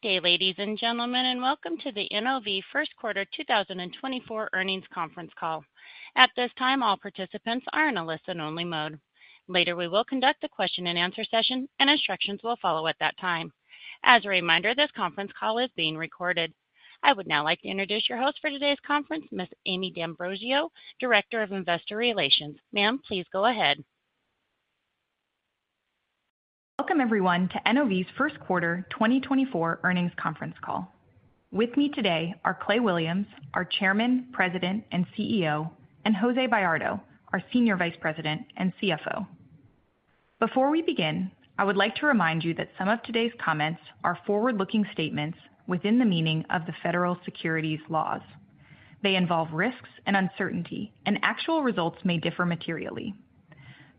Good day, ladies and gentlemen, and welcome to the NOV first quarter 2024 earnings conference call. At this time, all participants are in a listen-only mode. Later, we will conduct a question-and-answer session, and instructions will follow at that time. As a reminder, this conference call is being recorded. I would now like to introduce your host for today's conference, Ms. Amie D'Ambrosio, Director of Investor Relations. Ma'am, please go ahead. Welcome, everyone, to NOV's first quarter 2024 earnings conference call. With me today are Clay Williams, our Chairman, President, and CEO, and Jose Bayardo, our Senior Vice President and CFO. Before we begin, I would like to remind you that some of today's comments are forward-looking statements within the meaning of the federal securities laws. They involve risks and uncertainty, and actual results may differ materially.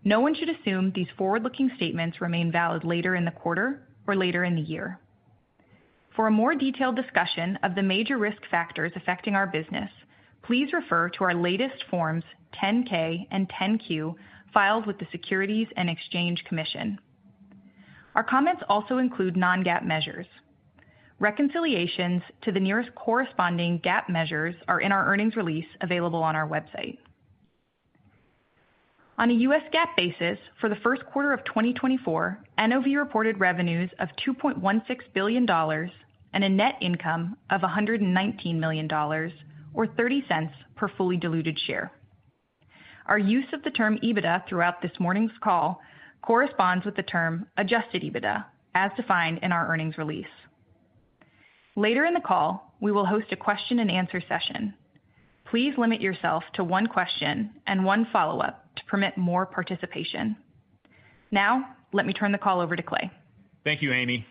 No one should assume these forward-looking statements remain valid later in the quarter or later in the year. For a more detailed discussion of the major risk factors affecting our business, please refer to our latest Forms 10-K and 10-Q, filed with the Securities and Exchange Commission. Our comments also include non-GAAP measures. Reconciliations to the nearest corresponding GAAP measures are in our earnings release, available on our website. On a U.S. GAAP basis, for the first quarter of 2024, NOV reported revenues of $2.16 billion and a net income of $119 million, or $0.30 per fully diluted share. Our use of the term EBITDA throughout this morning's call corresponds with the term Adjusted EBITDA, as defined in our earnings release. Later in the call, we will host a question-and-answer session. Please limit yourself to one question and one follow-up to permit more participation. Now, let me turn the call over to Clay. Thank you, Amie.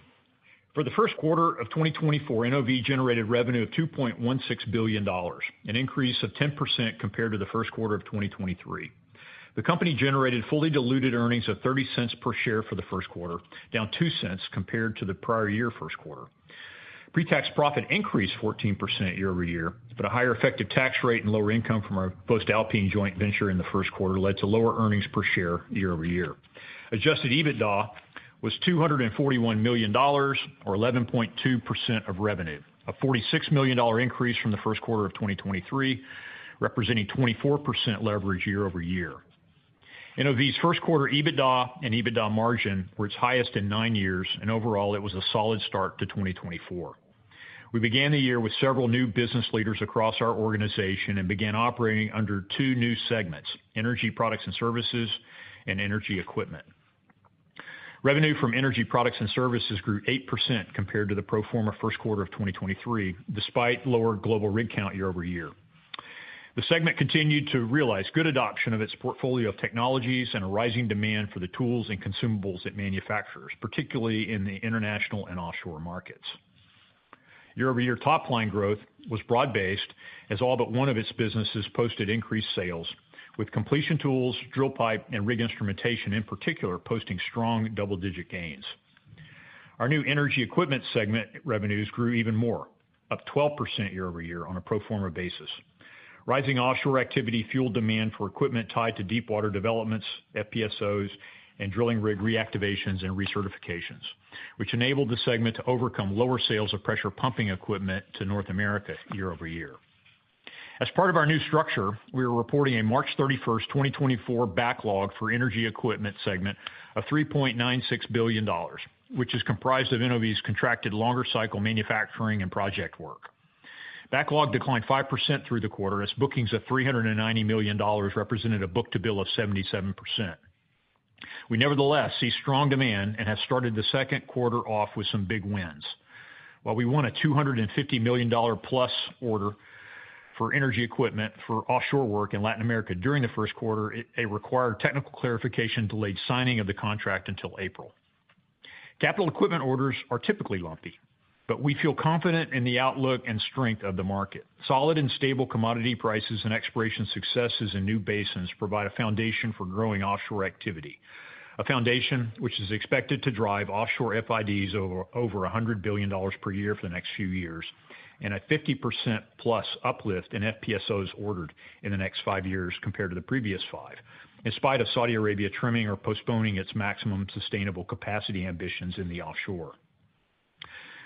For the first quarter of 2024, NOV generated revenue of $2.16 billion, an increase of 10% compared to the first quarter of 2023. The company generated fully diluted earnings of $0.30 per share for the first quarter, down $0.02 compared to the prior year first quarter. Pre-tax profit increased 14% year-over-year, but a higher effective tax rate and lower income from our Voestalpine joint venture in the first quarter led to lower earnings per share year-over-year. Adjusted EBITDA was $241 million, or 11.2% of revenue, a $46 million increase from the first quarter of 2023, representing 24% leverage year-over-year. NOV's first quarter EBITDA and EBITDA margin were its highest in nine years, and overall, it was a solid start to 2024. We began the year with several new business leaders across our organization and began operating under two new segments: Energy Products and Services and Energy Equipment. Revenue from Energy Products and Services grew 8% compared to the pro forma first quarter of 2023, despite lower global rig count year-over-year. The segment continued to realize good adoption of its portfolio of technologies and a rising demand for the tools and consumables it manufactures, particularly in the international and offshore markets. Year-over-year, top-line growth was broad-based as all but one of its businesses posted increased sales, with Completion, Drill Pipe, and Rig Instrumentation, in particular, posting strong double-digit gains. Our new Energy Equipment segment revenues grew even more, up 12% year-over-year on a pro forma basis. Rising offshore activity fueled demand for equipment tied to deep water developments, FPSOs, and drilling rig reactivations and recertifications, which enabled the segment to overcome lower sales of pressure pumping equipment to North America year-over-year. As part of our new structure, we are reporting a March 31st, 2024 backlog for Energy Equipment segment of $3.96 billion, which is comprised of NOV's contracted longer cycle manufacturing and project work. Backlog declined 5% through the quarter, as bookings of $390 million represented a book-to-bill of 77%. We nevertheless see strong demand and have started the second quarter off with some big wins. While we won a $250 million+ order for Energy Equipment for offshore work in Latin America during the first quarter, it required technical clarification, delayed signing of the contract until April. Capital equipment orders are typically lumpy, but we feel confident in the outlook and strength of the market. Solid and stable commodity prices and exploration successes in new basins provide a foundation for growing offshore activity. A foundation which is expected to drive offshore FIDs over $100 billion per year for the next few years, and a 50%+ uplift in FPSOs ordered in the next five years compared to the previous five, in spite of Saudi Arabia trimming or postponing its maximum sustainable capacity ambitions in the offshore.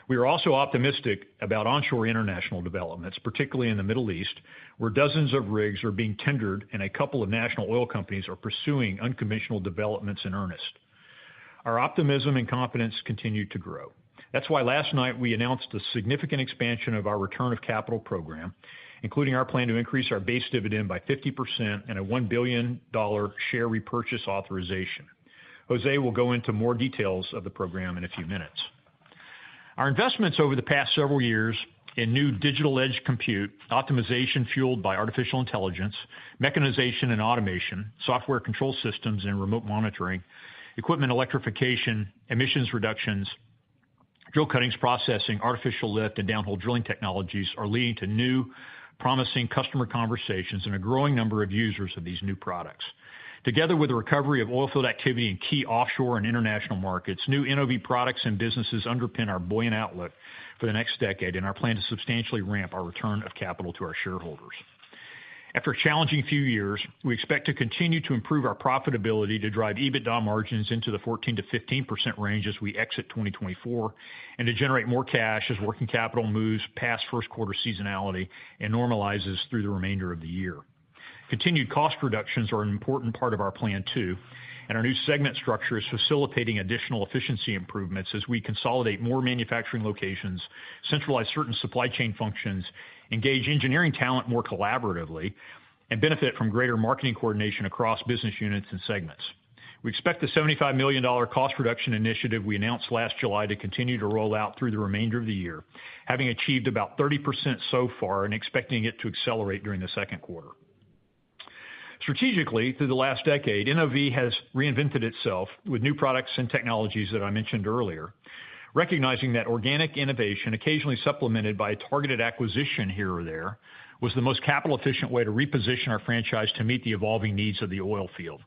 We are also optimistic about onshore international developments, particularly in the Middle East, where dozens of rigs are being tendered and a couple of national oil companies are pursuing unconventional developments in earnest. Our optimism and confidence continue to grow. That's why last night we announced a significant expansion of our return of capital program, including our plan to increase our base dividend by 50% and a $1 billion share repurchase authorization. Jose will go into more details of the program in a few minutes. Our investments over the past several years in new digital edge compute, optimization fueled by artificial intelligence, mechanization and automation, software control systems and remote monitoring, equipment electrification, emissions reductions, drill cuttings processing, artificial lift, and downhole drilling technologies are leading to new promising customer conversations and a growing number of users of these new products. Together with the recovery of oil field activity in key offshore and international markets, new NOV products and businesses underpin our buoyant outlook for the next decade and our plan to substantially ramp our return of capital to our shareholders. After a challenging few years, we expect to continue to improve our profitability to drive EBITDA margins into the 14%-15% range as we exit 2024, and to generate more cash as working capital moves past first quarter seasonality and normalizes through the remainder of the year. Continued cost reductions are an important part of our plan, too, and our new segment structure is facilitating additional efficiency improvements as we consolidate more manufacturing locations, centralize certain supply chain functions, engage engineering talent more collaboratively, and benefit from greater marketing coordination across business units and segments. We expect the $75 million cost reduction initiative we announced last July to continue to roll out through the remainder of the year, having achieved about 30% so far and expecting it to accelerate during the second quarter. Strategically, through the last decade, NOV has reinvented itself with new products and technologies that I mentioned earlier, recognizing that organic innovation, occasionally supplemented by a targeted acquisition here or there, was the most capital-efficient way to reposition our franchise to meet the evolving needs of the oil field.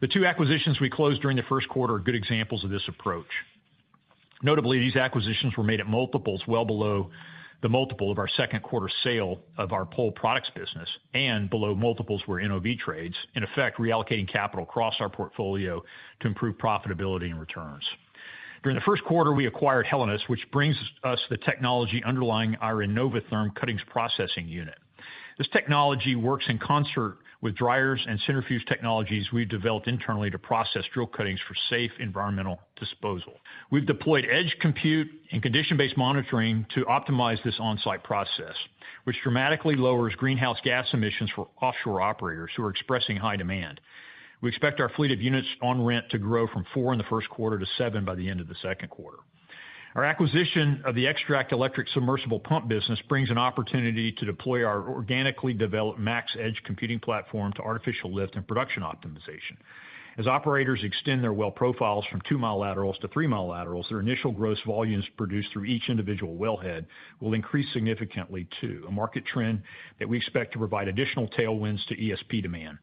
The two acquisitions we closed during the first quarter are good examples of this approach. Notably, these acquisitions were made at multiples well below the multiple of our second quarter sale of our Pole Products business and below multiples where NOV trades, in effect, reallocating capital across our portfolio to improve profitability and returns. During the first quarter, we acquired Hellenes, which brings us the technology underlying our iNOVaTHERM cuttings processing unit. This technology works in concert with dryers and centrifuge technologies we've developed internally to process drill cuttings for safe environmental disposal. We've deployed edge compute and condition-based monitoring to optimize this on-site process, which dramatically lowers greenhouse gas emissions for offshore operators who are expressing high demand. We expect our fleet of units on rent to grow from four in the first quarter to seven by the end of the second quarter. Our acquisition of the Extract electric submersible pump business brings an opportunity to deploy our organically developed MaxEdge computing platform to artificial lift and production optimization. As operators extend their well profiles from 2mi laterals to 3mi laterals, their initial gross volumes produced through each individual wellhead will increase significantly, too, a market trend that we expect to provide additional tailwinds to ESP demand.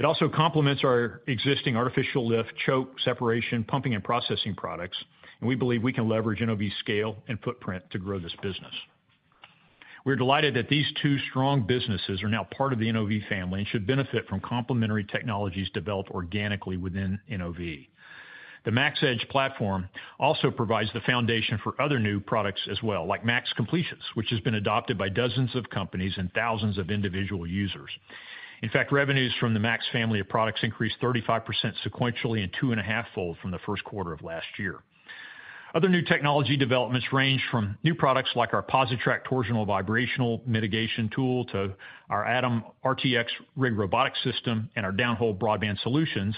It also complements our existing artificial lift, choke, separation, pumping, and processing products, and we believe we can leverage NOV's scale and footprint to grow this business. We're delighted that these two strong businesses are now part of the NOV family and should benefit from complementary technologies developed organically within NOV. The MaxEdge platform also provides the foundation for other new products as well, like Max Completions, which has been adopted by dozens of companies and thousands of individual users. In fact, revenues from the Max family of products increased 35% sequentially and 2.5-fold from the first quarter of last year. Other new technology developments range from new products like our PosiTrack torsional vibration mitigation tool to our ATOM RTX rig robotics system and our downhole broadband solutions,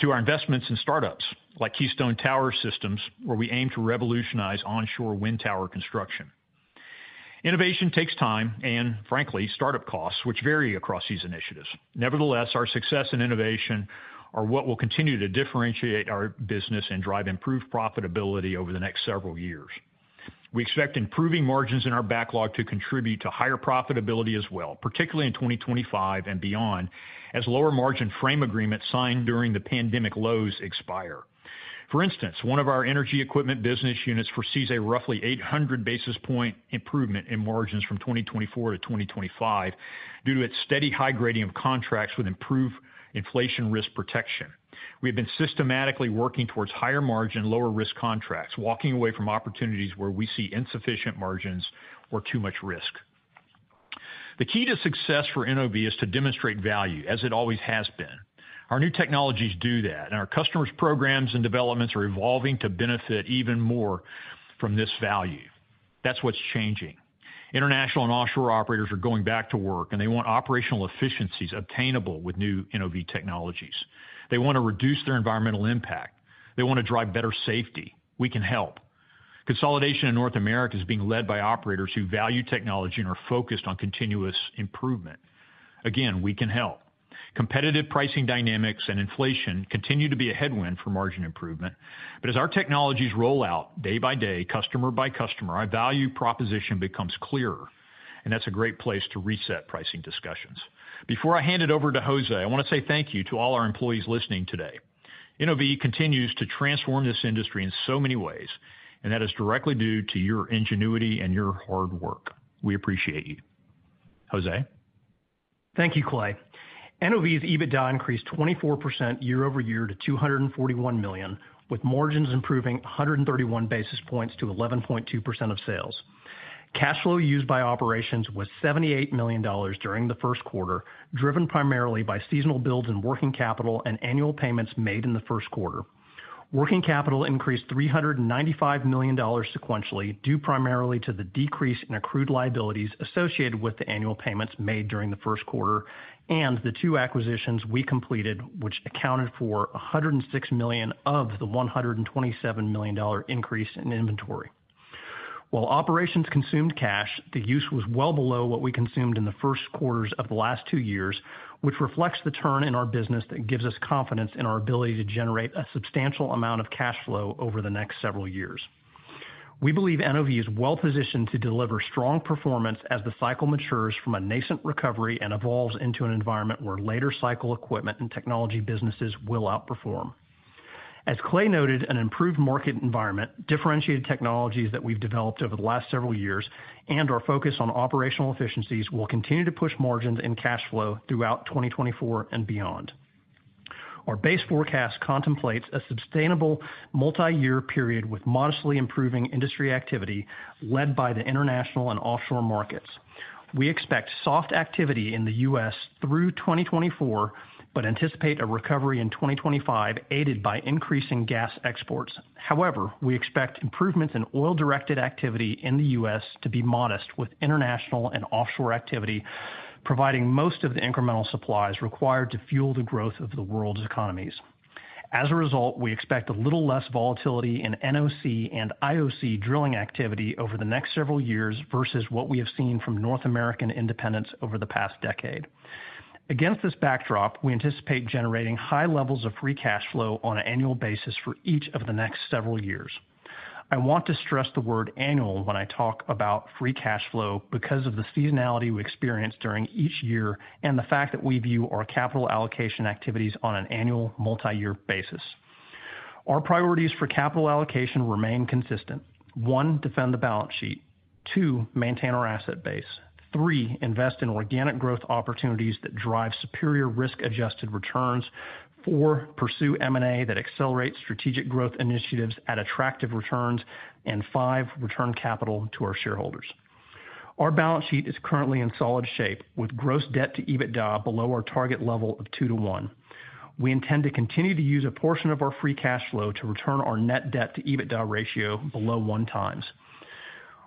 to our investments in startups like Keystone Tower Systems, where we aim to revolutionize onshore wind tower construction. Innovation takes time and, frankly, startup costs, which vary across these initiatives. Nevertheless, our success and innovation are what will continue to differentiate our business and drive improved profitability over the next several years. We expect improving margins in our backlog to contribute to higher profitability as well, particularly in 2025 and beyond, as lower-margin frame agreements signed during the pandemic lows expire. For instance, one of our Energy Equipment business units foresees a roughly 800 basis point improvement in margins from 2024-2025 due to its steady high gradient of contracts with improved inflation risk protection. We have been systematically working towards higher-margin, lower-risk contracts, walking away from opportunities where we see insufficient margins or too much risk. The key to success for NOV is to demonstrate value as it always has been. Our new technologies do that, and our customers' programs and developments are evolving to benefit even more from this value. That's what's changing. International and offshore operators are going back to work, and they want operational efficiencies obtainable with new NOV technologies. They want to reduce their environmental impact. They want to drive better safety. We can help. Consolidation in North America is being led by operators who value technology and are focused on continuous improvement. Again, we can help. Competitive pricing dynamics and inflation continue to be a headwind for margin improvement, but as our technologies roll out day by day, customer by customer, our value proposition becomes clearer, and that's a great place to reset pricing discussions. Before I hand it over to Jose, I want to say thank you to all our employees listening today. NOV continues to transform this industry in so many ways, and that is directly due to your ingenuity and your hard work. We appreciate you. Jose? Thank you, Clay. NOV's EBITDA increased 24% year-over-year to $241 million, with margins improving 131 basis points to 11.2% of sales. Cash flow used by operations was $78 million during the first quarter, driven primarily by seasonal builds in working capital and annual payments made in the first quarter. Working capital increased $395 million sequentially, due primarily to the decrease in accrued liabilities associated with the annual payments made during the first quarter and the two acquisitions we completed, which accounted for $106 million of the $127 million increase in inventory. While operations consumed cash, the use was well below what we consumed in the first quarters of the last two years, which reflects the turn in our business that gives us confidence in our ability to generate a substantial amount of cash flow over the next several years. We believe NOV is well-positioned to deliver strong performance as the cycle matures from a nascent recovery and evolves into an environment where later cycle equipment and technology businesses will outperform. As Clay noted, an improved market environment, differentiated technologies that we've developed over the last several years, and our focus on operational efficiencies will continue to push margins and cash flow throughout 2024 and beyond. Our base forecast contemplates a sustainable multi-year period with modestly improving industry activity, led by the international and offshore markets. We expect soft activity in the U.S. through 2024, but anticipate a recovery in 2025, aided by increasing gas exports. However, we expect improvements in oil-directed activity in the U.S. to be modest, with international and offshore activity providing most of the incremental supplies required to fuel the growth of the world's economies. As a result, we expect a little less volatility in NOC and IOC drilling activity over the next several years versus what we have seen from North American independents over the past decade. Against this backdrop, we anticipate generating high levels of free cash flow on an annual basis for each of the next several years. I want to stress the word annual when I talk about free cash flow, because of the seasonality we experience during each year, and the fact that we view our capital allocation activities on an annual, multi-year basis. Our priorities for capital allocation remain consistent. One, defend the balance sheet. Two, maintain our asset base. Three, invest in organic growth opportunities that drive superior risk-adjusted returns. Four, pursue M&A that accelerates strategic growth initiatives at attractive returns and five, return capital to our shareholders. Our balance sheet is currently in solid shape, with gross debt to EBITDA below our target level of two to one. We intend to continue to use a portion of our free cash flow to return our net debt to EBITDA ratio below 1x.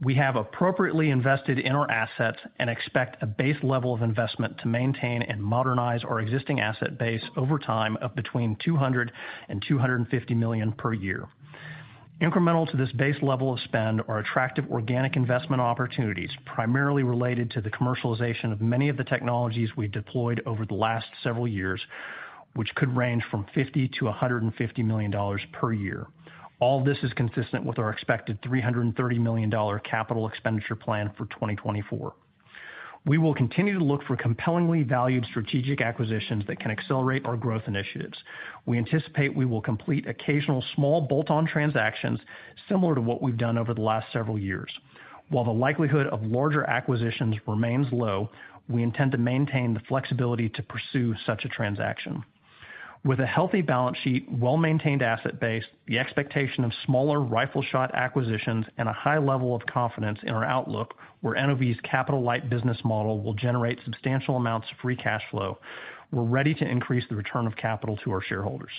We have appropriately invested in our assets and expect a base level of investment to maintain and modernize our existing asset base over time of between $200 million and $250 million per year. Incremental to this base level of spend are attractive organic investment opportunities, primarily related to the commercialization of many of the technologies we deployed over the last several years, which could range from $50-$150 million per year. All this is consistent with our expected $330 million capital expenditure plan for 2024. We will continue to look for compellingly valued strategic acquisitions that can accelerate our growth initiatives. We anticipate we will complete occasional small bolt-on transactions, similar to what we've done over the last several years. While the likelihood of larger acquisitions remains low, we intend to maintain the flexibility to pursue such a transaction. With a healthy balance sheet, well-maintained asset base, the expectation of smaller rifle shot acquisitions, and a high level of confidence in our outlook, where NOV's capital-light business model will generate substantial amounts of free cash flow, we're ready to increase the return of capital to our shareholders.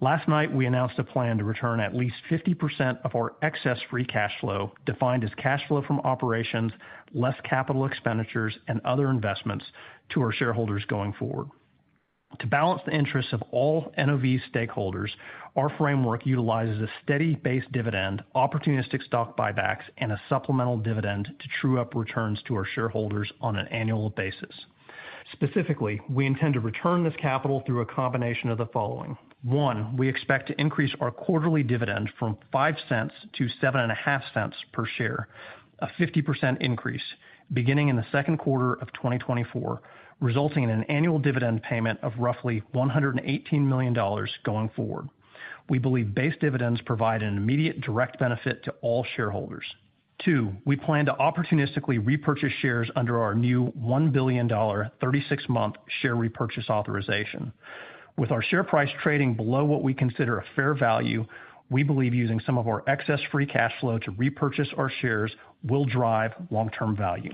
Last night, we announced a plan to return at least 50% of our excess free cash flow, defined as cash flow from operations, less capital expenditures and other investments to our shareholders going forward. To balance the interests of all NOV stakeholders, our framework utilizes a steady base dividend, opportunistic stock buybacks, and a supplemental dividend to true up returns to our shareholders on an annual basis. Specifically, we intend to return this capital through a combination of the following: One, we expect to increase our quarterly dividend from $0.05-$0.075 per share, a 50% increase, beginning in the second quarter of 2024, resulting in an annual dividend payment of roughly $118 million going forward. We believe base dividends provide an immediate, direct benefit to all shareholders. Two, we plan to opportunistically repurchase shares under our new $1 billion 36-month share repurchase authorization. With our share price trading below what we consider a fair value, we believe using some of our excess free cash flow to repurchase our shares will drive long-term value.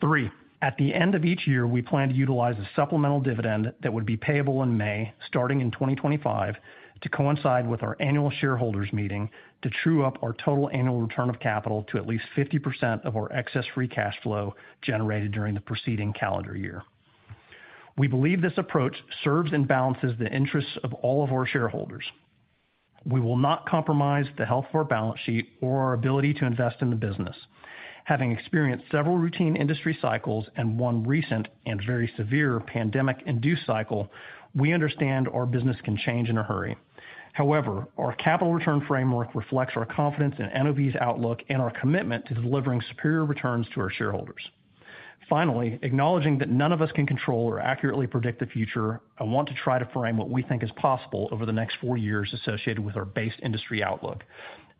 Three, at the end of each year, we plan to utilize a supplemental dividend that would be payable in May, starting in 2025, to coincide with our annual shareholders meeting, to true up our total annual return of capital to at least 50% of our excess free cash flow generated during the preceding calendar year. We believe this approach serves and balances the interests of all of our shareholders. We will not compromise the health of our balance sheet or our ability to invest in the business. Having experienced several routine industry cycles and one recent and very severe pandemic-induced cycle, we understand our business can change in a hurry. However, our capital return framework reflects our confidence in NOV's outlook and our commitment to delivering superior returns to our shareholders. Finally, acknowledging that none of us can control or accurately predict the future, I want to try to frame what we think is possible over the next four years associated with our base industry outlook.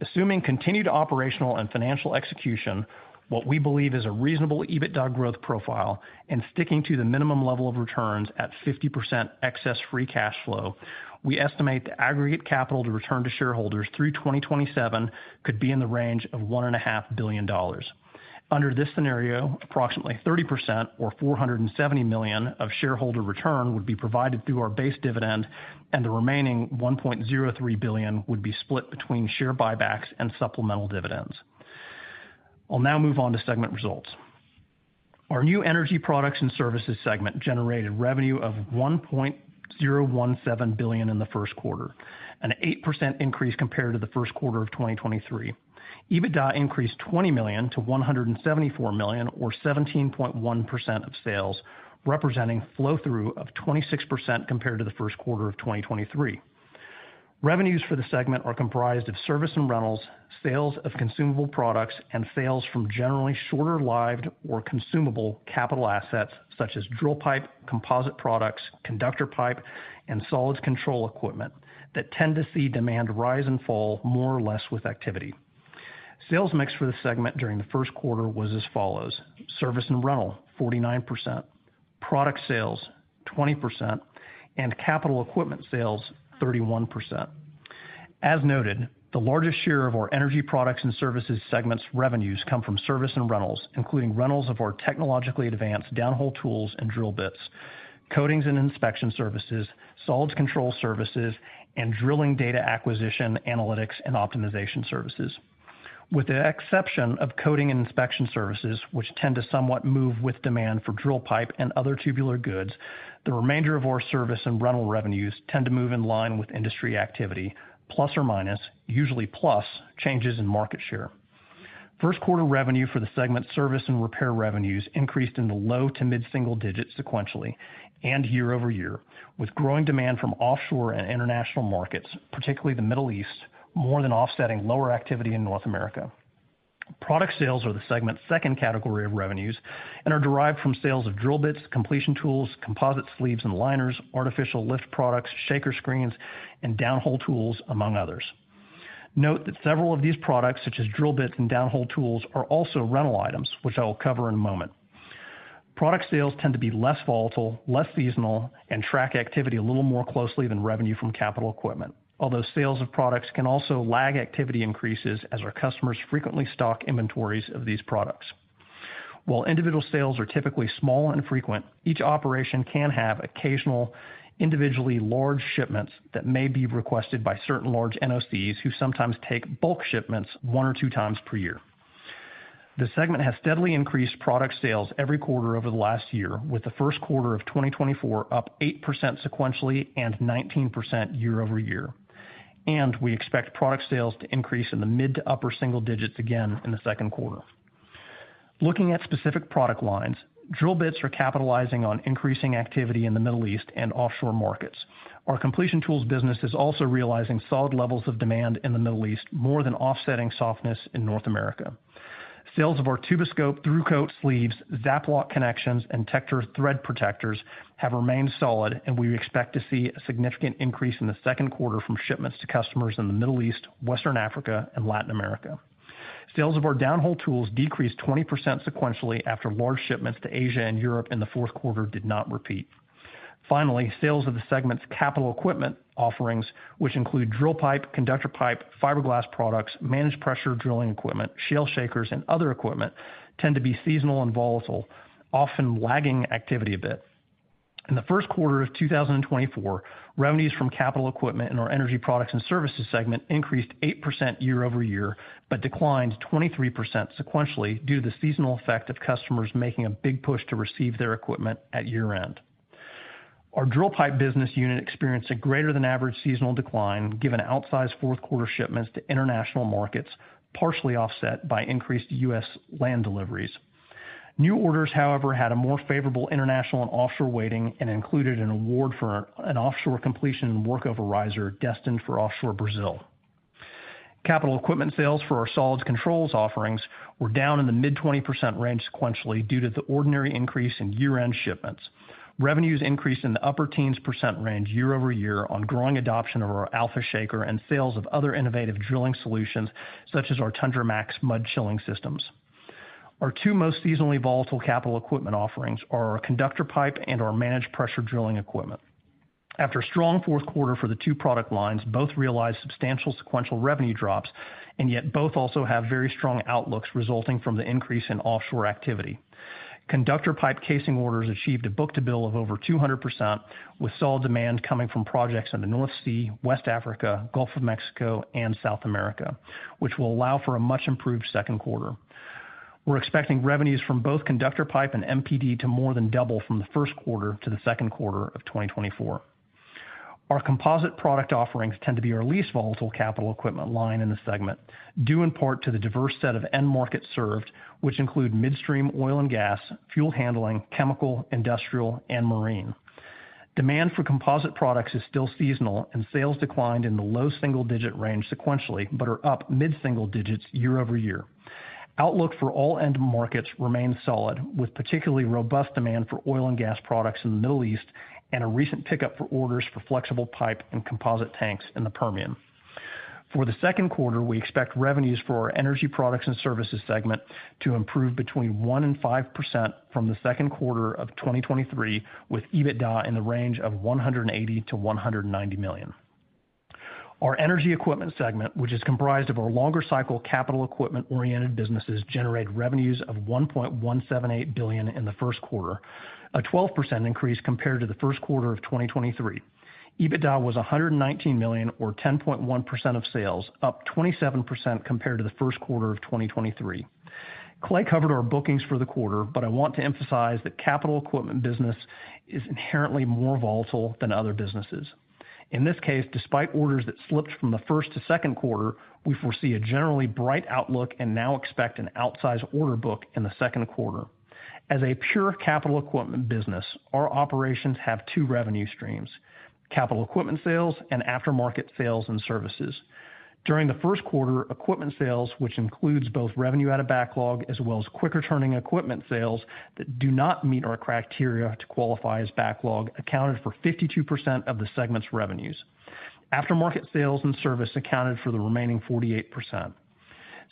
Assuming continued operational and financial execution, what we believe is a reasonable EBITDA growth profile, and sticking to the minimum level of returns at 50% excess free cash flow, we estimate the aggregate capital to return to shareholders through 2027 could be in the range of $1.5 billion. Under this scenario, approximately 30% or $470 million of shareholder return would be provided through our base dividend, and the remaining $1.03 billion would be split between share buybacks and supplemental dividends. I'll now move on to segment results. Our new Energy Products and Services segment generated revenue of $1.017 billion in the first quarter, an 8% increase compared to the first quarter of 2023. EBITDA increased $20 million-$174 million, or 17.1% of sales, representing flow-through of 26% compared to the first quarter of 2023. Revenues for the segment are comprised of service and rentals, sales of consumable products, and sales from generally shorter-lived or consumable capital assets, such Drill Pipe, composite products, conductor pipe, and solids control equipment, that tend to see demand rise and fall more or less with activity. Sales mix for the segment during the first quarter was as follows: service and rental, 49%, product sales, 20%, and capital equipment sales, 31%. As noted, the largest share of our Energy Products and Services segment's revenues come from service and rentals, including rentals of our technologically advanced downhole tools and drill bits, coatings and inspection services, solids control services, and drilling data acquisition, analytics, and optimization services. With the exception of coating and inspection services, which tend to somewhat move with demand for Drill Pipe and other tubular goods, the remainder of our service and rental revenues tend to move in line with industry activity, ±, usually plus, changes in market share. First quarter revenue for the segment service and repair revenues increased in the low to mid-single digits sequentially and year-over-year, with growing demand from offshore and international markets, particularly the Middle East, more than offsetting lower activity in North America. Product sales are the segment's second category of revenues and are derived from sales of drill bits, Completion Tools, composite sleeves and liners, artificial lift products, shaker screens, and downhole tools, among others. Note that several of these products, such as drill bits and downhole tools, are also rental items, which I will cover in a moment. Product sales tend to be less volatile, less seasonal, and track activity a little more closely than revenue from capital equipment, although sales of products can also lag activity increases as our customers frequently stock inventories of these products. While individual sales are typically small and infrequent, each operation can have occasional, individually large shipments that may be requested by certain large NOCs, who sometimes take bulk shipments 1x or 2x per year. The segment has steadily increased product sales every quarter over the last year, with the first quarter of 2024 up 8% sequentially and 19% year-over-year. We expect product sales to increase in the mid- to upper-single digits again in the second quarter. Looking at specific product lines, drill bits are capitalizing on increasing activity in the Middle East and offshore markets. Our Completion Tools business is also realizing solid levels of demand in the Middle East, more than offsetting softness in North America. Sales of our Tuboscope Thru-Kote sleeves, Zap-Lok connections, and Tector thread protectors have remained solid, and we expect to see a significant increase in the second quarter from shipments to customers in the Middle East, West Africa, and Latin America. Sales of our downhole tools decreased 20% sequentially after large shipments to Asia and Europe in the fourth quarter did not repeat. Finally, sales of the segment's capital equipment offerings, which include Drill Pipe, conductor pipe, fiberglass products, Managed Pressure Drilling Equipment, shale shakers, and other equipment, tend to be seasonal and volatile, often lagging activity a bit. In the first quarter of 2024, revenues from capital equipment in our Energy Products and Services segment increased 8% year-over-year, but declined 23% sequentially due to the seasonal effect of customers making a big push to receive their equipment at year-end. Our Drill Pipe business unit experienced a greater than average seasonal decline, given outsized fourth quarter shipments to international markets, partially offset by increased U.S. land deliveries. New orders, however, had a more favorable international and offshore weighting and included an award for an offshore completion and workover riser destined for offshore Brazil. Capital equipment sales for our solids controls offerings were down in the mid-20% range sequentially due to the ordinary increase in year-end shipments. Revenues increased in the upper teens% range year-over-year on growing adoption of our Alpha shaker and sales of other innovative drilling solutions, such as our TundraMax mud chilling systems. Our two most seasonally volatile capital equipment offerings are our conductor pipe and our Managed Pressure Drilling equipment. After a strong fourth quarter for the two product lines, both realized substantial sequential revenue drops, and yet both also have very strong outlooks resulting from the increase in offshore activity. Conductor pipe casing orders achieved a book-to-bill of over 200%, with solid demand coming from projects in the North Sea, West Africa, Gulf of Mexico, and South America, which will allow for a much improved second quarter. We're expecting revenues from both conductor pipe and MPD to more than double from the first quarter to the second quarter of 2024. Our composite product offerings tend to be our least volatile capital equipment line in the segment, due in part to the diverse set of end markets served, which include midstream, oil and gas, fuel handling, chemical, industrial, and marine. Demand for composite products is still seasonal, and sales declined in the low single-digit range sequentially, but are up mid-single digits year-over-year. Outlook for all end markets remains solid, with particularly robust demand for oil and gas products in the Middle East and a recent pickup for orders for flexible pipe and composite tanks in the Permian. For the second quarter, we expect revenues for our Energy Products and Services segment to improve between 1% and 5% from the second quarter of 2023, with EBITDA in the range of $180 million-$190 million. Our Energy Equipment segment, which is comprised of our longer cycle, capital equipment-oriented businesses, generated revenues of $1.178 billion in the first quarter, a 12% increase compared to the first quarter of 2023. EBITDA was $119 million, or 10.1% of sales, up 27% compared to the first quarter of 2023. Clay covered our bookings for the quarter, but I want to emphasize that capital equipment business is inherently more volatile than other businesses. In this case, despite orders that slipped from the first to second quarter, we foresee a generally bright outlook and now expect an outsized order book in the second quarter. As a pure capital equipment business, our operations have two revenue streams: capital equipment sales and aftermarket sales and services. During the first quarter, equipment sales, which includes both revenue out of backlog, as well as quicker turning equipment sales that do not meet our criteria to qualify as backlog, accounted for 52% of the segment's revenues. Aftermarket sales and service accounted for the remaining 48%.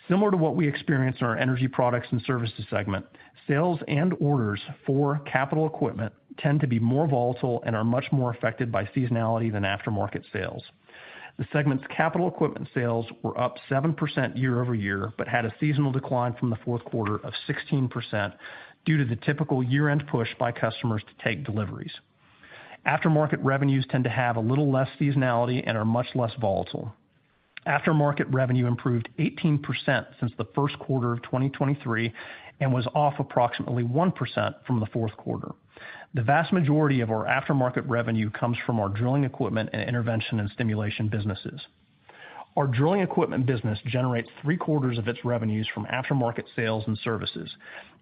Similar to what we experience in our Energy Products and Services segment, sales and orders for capital equipment tend to be more volatile and are much more affected by seasonality than aftermarket sales. The segment's capital equipment sales were up 7% year-over-year, but had a seasonal decline from the fourth quarter of 16% due to the typical year-end push by customers to take deliveries. Aftermarket revenues tend to have a little less seasonality and are much less volatile. Aftermarket revenue improved 18% since the first quarter of 2023, and was off approximately 1% from the fourth quarter. The vast majority of our aftermarket revenue comes from our Drilling Equipment and intervention and stimulation businesses. Our Drilling Equipment business generates 3/4 of its revenues from aftermarket sales and services,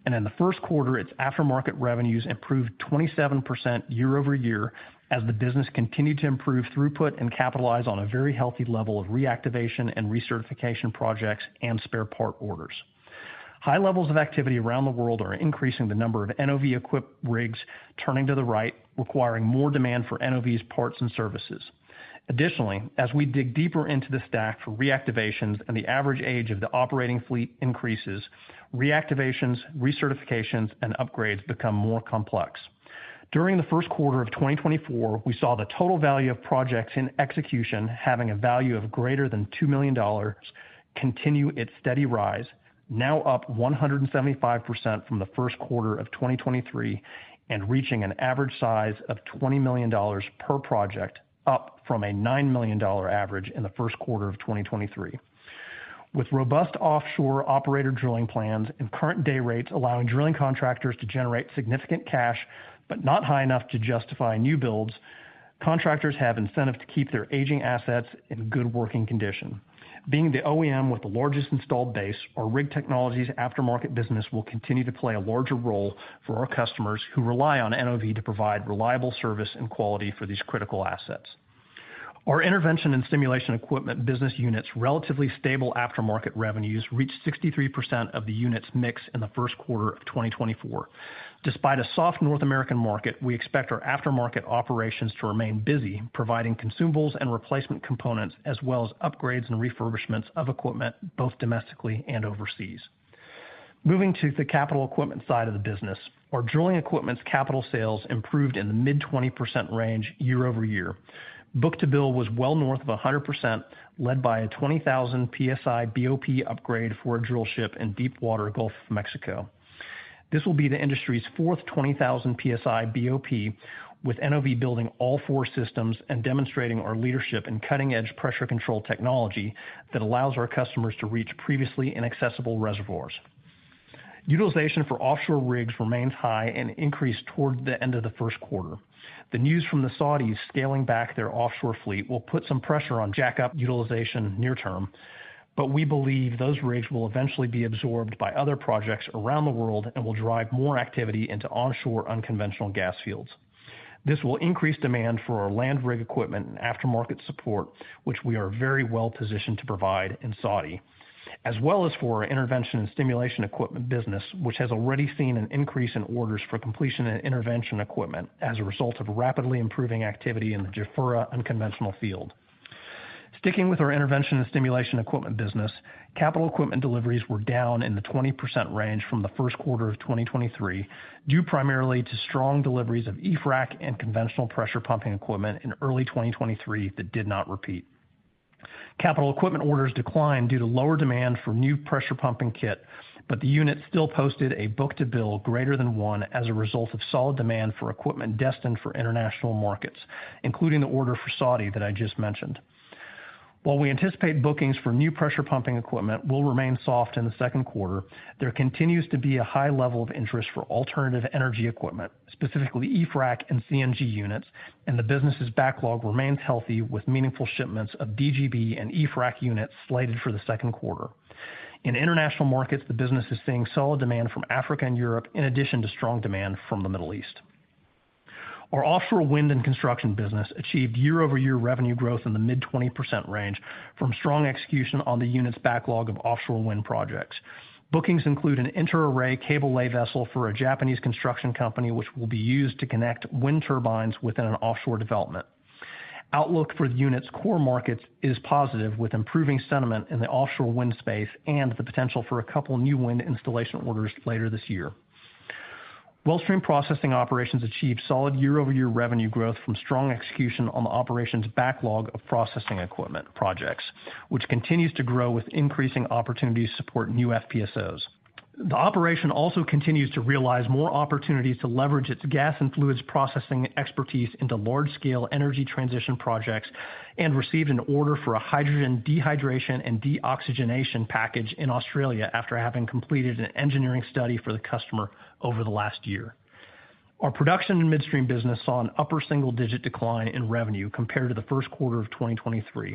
and in the first quarter, its aftermarket revenues improved 27% year-over-year as the business continued to improve throughput and capitalize on a very healthy level of reactivation and recertification projects and spare part orders. High levels of activity around the world are increasing the number of NOV-equipped rigs turning to the right, requiring more demand for NOV's parts and services. Additionally, as we dig deeper into the stack for reactivations and the average age of the operating fleet increases, reactivations, recertifications, and upgrades become more complex. During the first quarter of 2024, we saw the total value of projects in execution having a value of greater than $2 million continue its steady rise, now up 175% from the first quarter of 2023, and reaching an average size of $20 million per project, up from a $9 million average in the first quarter of 2023. With robust offshore operator drilling plans and current day rates allowing drilling contractors to generate significant cash, but not high enough to justify new builds, contractors have incentive to keep their aging assets in good working condition. Being the OEM with the largest installed base, our Rig Technologies aftermarket business will continue to play a larger role for our customers who rely on NOV to provide reliable service and quality for these critical assets. Our Intervention and Stimulation Equipment business unit's relatively stable aftermarket revenues reached 63% of the unit's mix in the first quarter of 2024. Despite a soft North American market, we expect our aftermarket operations to remain busy, providing consumables and replacement components, as well as upgrades and refurbishments of equipment, both domestically and overseas. Moving to the capital equipment side of the business, our Drilling Equipment's capital sales improved in the mid-20% range year-over-year. Book-to-bill was well north of 100%, led by a 20,000 PSI BOP upgrade for a drill ship in deepwater Gulf of Mexico. This will be the industry's fourth 20,000 PSI BOP, with NOV building all four systems and demonstrating our leadership in cutting-edge pressure control technology that allows our customers to reach previously inaccessible reservoirs. Utilization for offshore rigs remains high and increased toward the end of the first quarter. The news from the Saudis scaling back their offshore fleet will put some pressure on jack-up utilization near term, but we believe those rigs will eventually be absorbed by other projects around the world and will drive more activity into onshore unconventional gas fields. This will increase demand for our land rig equipment and aftermarket support, which we are very well positioned to provide in Saudi, as well as for our Intervention and Stimulation Equipment business, which has already seen an increase in orders for completion and intervention equipment as a result of rapidly improving activity in the Ghawar unconventional field. Sticking with our Intervention and Stimulation Equipment business, capital equipment deliveries were down in the 20% range from the first quarter of 2023, due primarily to strong deliveries of eFrac and conventional pressure pumping equipment in early 2023 that did not repeat. Capital equipment orders declined due to lower demand for new pressure pumping kit, but the unit still posted a book-to-bill greater than one as a result of solid demand for equipment destined for international markets, including the order for Saudi that I just mentioned. While we anticipate bookings for new pressure pumping equipment will remain soft in the second quarter, there continues to be a high level of interest for alternative Energy Equipment, specifically eFrac and CNG units, and the business's backlog remains healthy, with meaningful shipments of DGB and eFrac units slated for the second quarter. In international markets, the business is seeing solid demand from Africa and Europe, in addition to strong demand from the Middle East. Our Offshore Wind and Construction business achieved year-over-year revenue growth in the mid-20% range from strong execution on the unit's backlog of offshore wind projects. Bookings include an inter-array cable lay vessel for a Japanese construction company, which will be used to connect wind turbines within an offshore development. Outlook for the unit's core markets is positive, with improving sentiment in the offshore wind space and the potential for a couple new wind installation orders later this year. Wellstream Processing operations achieved solid year-over-year revenue growth from strong execution on the operations backlog of processing equipment projects, which continues to grow with increasing opportunities to support new FPSOs. The operation also continues to realize more opportunities to leverage its gas and fluids processing expertise into large-scale energy transition projects, and received an order for a hydrogen dehydration and deoxygenation package in Australia after having completed an engineering study for the customer over the last year. Our Production and Midstream business saw an upper single-digit decline in revenue compared to the first quarter of 2023.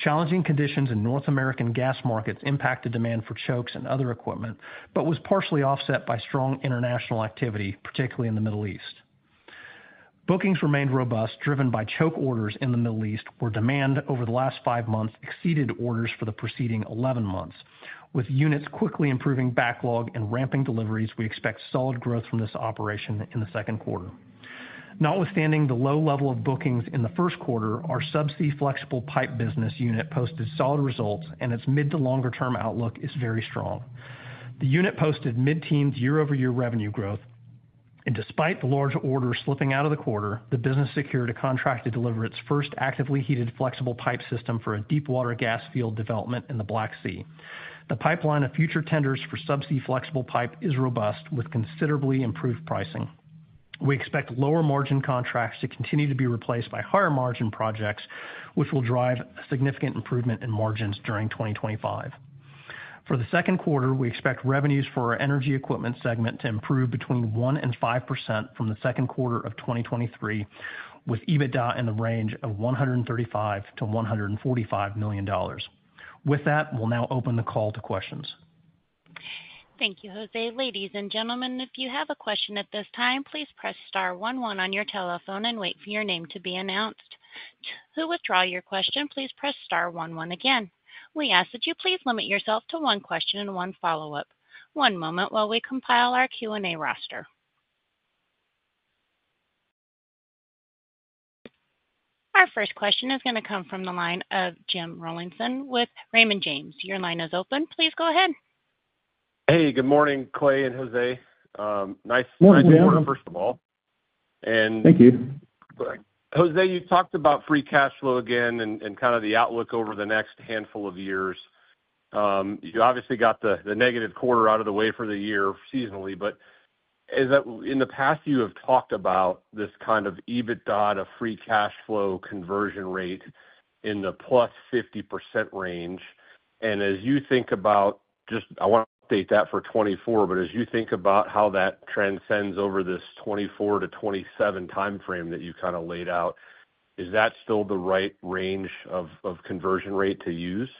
Challenging conditions in North America gas markets impacted demand for chokes and other equipment, but was partially offset by strong international activity, particularly in the Middle East. Bookings remained robust, driven by choke orders in the Middle East, where demand over the last five months exceeded orders for the preceding 11 months. With units quickly improving backlog and ramping deliveries, we expect solid growth from this operation in the second quarter. Notwithstanding the low level of bookings in the first quarter, our Subsea Flexible Pipe business unit posted solid results, and its mid- to longer-term outlook is very strong. The unit posted mid-teens year-over-year revenue growth, and despite the large order slipping out of the quarter, the business secured a contract to deliver its first actively heated flexible pipe system for a deepwater gas field development in the Black Sea. The pipeline of future tenders for Subsea Flexible Pipe is robust, with considerably improved pricing. We expect lower margin contracts to continue to be replaced by higher margin projects, which will drive a significant improvement in margins during 2025. For the second quarter, we expect revenues for our Energy Equipment segment to improve between 1% and 5% from the second quarter of 2023, with EBITDA in the range of $135 million-$145 million. With that, we'll now open the call to questions. Thank you, Jose. Ladies and gentlemen, if you have a question at this time, please press star one one on your telephone and wait for your name to be announced. To withdraw your question, please press star one one again. We ask that you please limit yourself to one question and one follow-up. One moment while we compile our Q&A roster. Our first question is going to come from the line of Jim Rollyson with Raymond James. Your line is open. Please go ahead. Good morning, Clay and Jose. Nice- Morning, Jim. quarter, first of all. Thank you. Jose, you talked about free cash flow again and kind of the outlook over the next handful of years. You obviously got the negative quarter out of the way for the year seasonally, but is that— in the past, you have talked about this kind of EBITDA to free cash flow conversion rate in the +50% range, and as you think about just... I want to update that for 2024, but as you think about how that transcends over this 2024-2027 time frame that you kind of laid out, is that still the right range of conversion rate to use?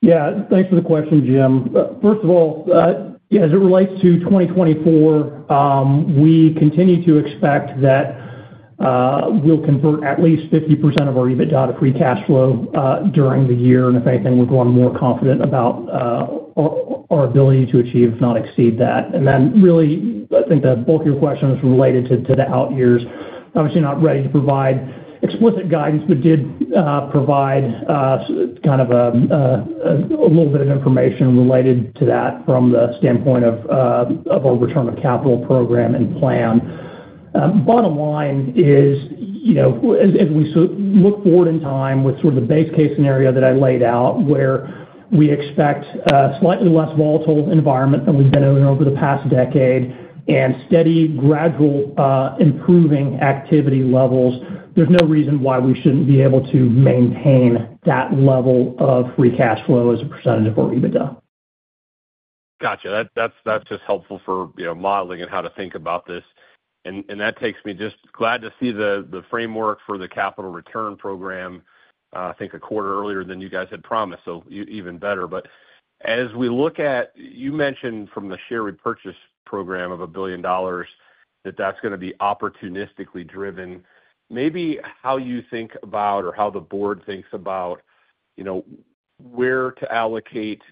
Yeah. Thanks for the question, Jim. First of all, yeah, as it relates to 2024, we continue to expect that we'll convert at least 50% of our EBITDA to free cash flow during the year, and if anything, we're growing more confident about our ability to achieve, if not exceed, that. Then, really, I think the bulk of your question is related to the out years. Obviously, not ready to provide explicit guidance, but did provide kind of a little bit of information related to that from the standpoint of our return on capital program and plan. Bottom line is, you know, as we so look forward in time with sort of the base case scenario that I laid out, where we expect a slightly less volatile environment than we've been in over the past decade, and steady, gradual, improving activity levels, there's no reason why we shouldn't be able to maintain that level of free cash flow as a percentage of our EBITDA. Gotcha. That's just helpful for, you know, modeling and how to think about this and that takes me just glad to see the framework for the capital return program. I think a quarter earlier than you guys had promised, so even better. But as we look at, you mentioned from the share repurchase program of $1 billion, that that's going to be opportunistically driven. Maybe how you think about or how the board thinks about, you know, where to allocate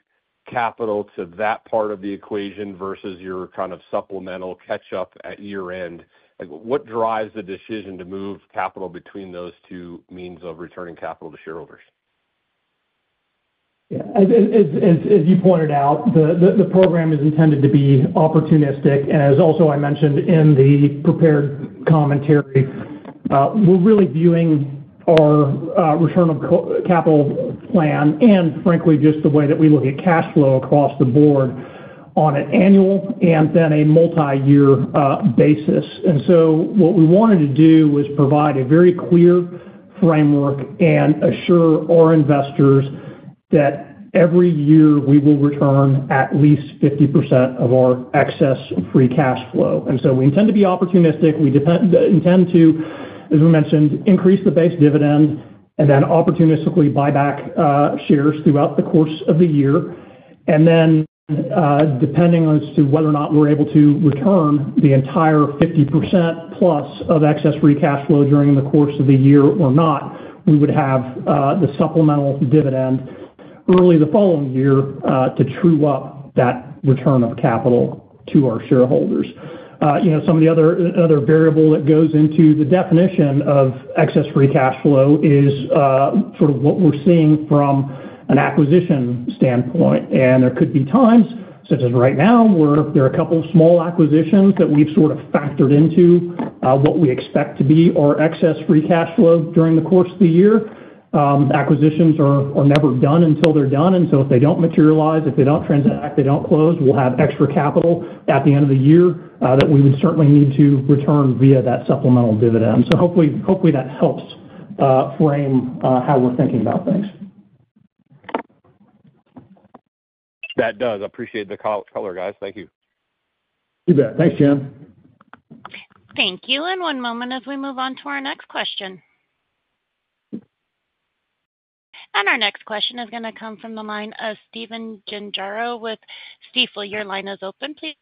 capital to that part of the equation versus your kind of supplemental catch up at year-end. Like, what drives the decision to move capital between those two means of returning capital to shareholders? Yeah. As you pointed out, the program is intended to be opportunistic. As I also mentioned in the prepared commentary, we're really viewing our return on capital plan and frankly, just the way that we look at cash flow across the board on an annual and then a multiyear basis. So what we wanted to do was provide a very clear framework and assure our investors that every year we will return at least 50% of our excess free cash flow. So we intend to be opportunistic. We intend to, as we mentioned, increase the base dividend and then opportunistically buy back shares throughout the course of the year. Then, depending on as to whether or not we're able to return the entire 50%+ of excess free cash flow during the course of the year or not, we would have the supplemental dividend early the following year to true up that return of capital to our shareholders. You know, some of the other variable that goes into the definition of excess free cash flow is sort of what we're seeing from an acquisition standpoint. There could be times, such as right now, where there are a couple of small acquisitions that we've sort of factored into what we expect to be our excess free cash flow during the course of the year. Acquisitions are never done until they're done, and so if they don't materialize, if they don't transact, they don't close, we'll have extra capital at the end of the year that we would certainly need to return via that supplemental dividend. So hopefully that helps frame how we're thinking about things. That does. I appreciate the call, color, guys. Thank you. You bet. Thanks, Jim. Thank you, and one moment as we move on to our next question. Our next question is going to come from the line of Stephen Gengaro with Stifel. Your line is open, please.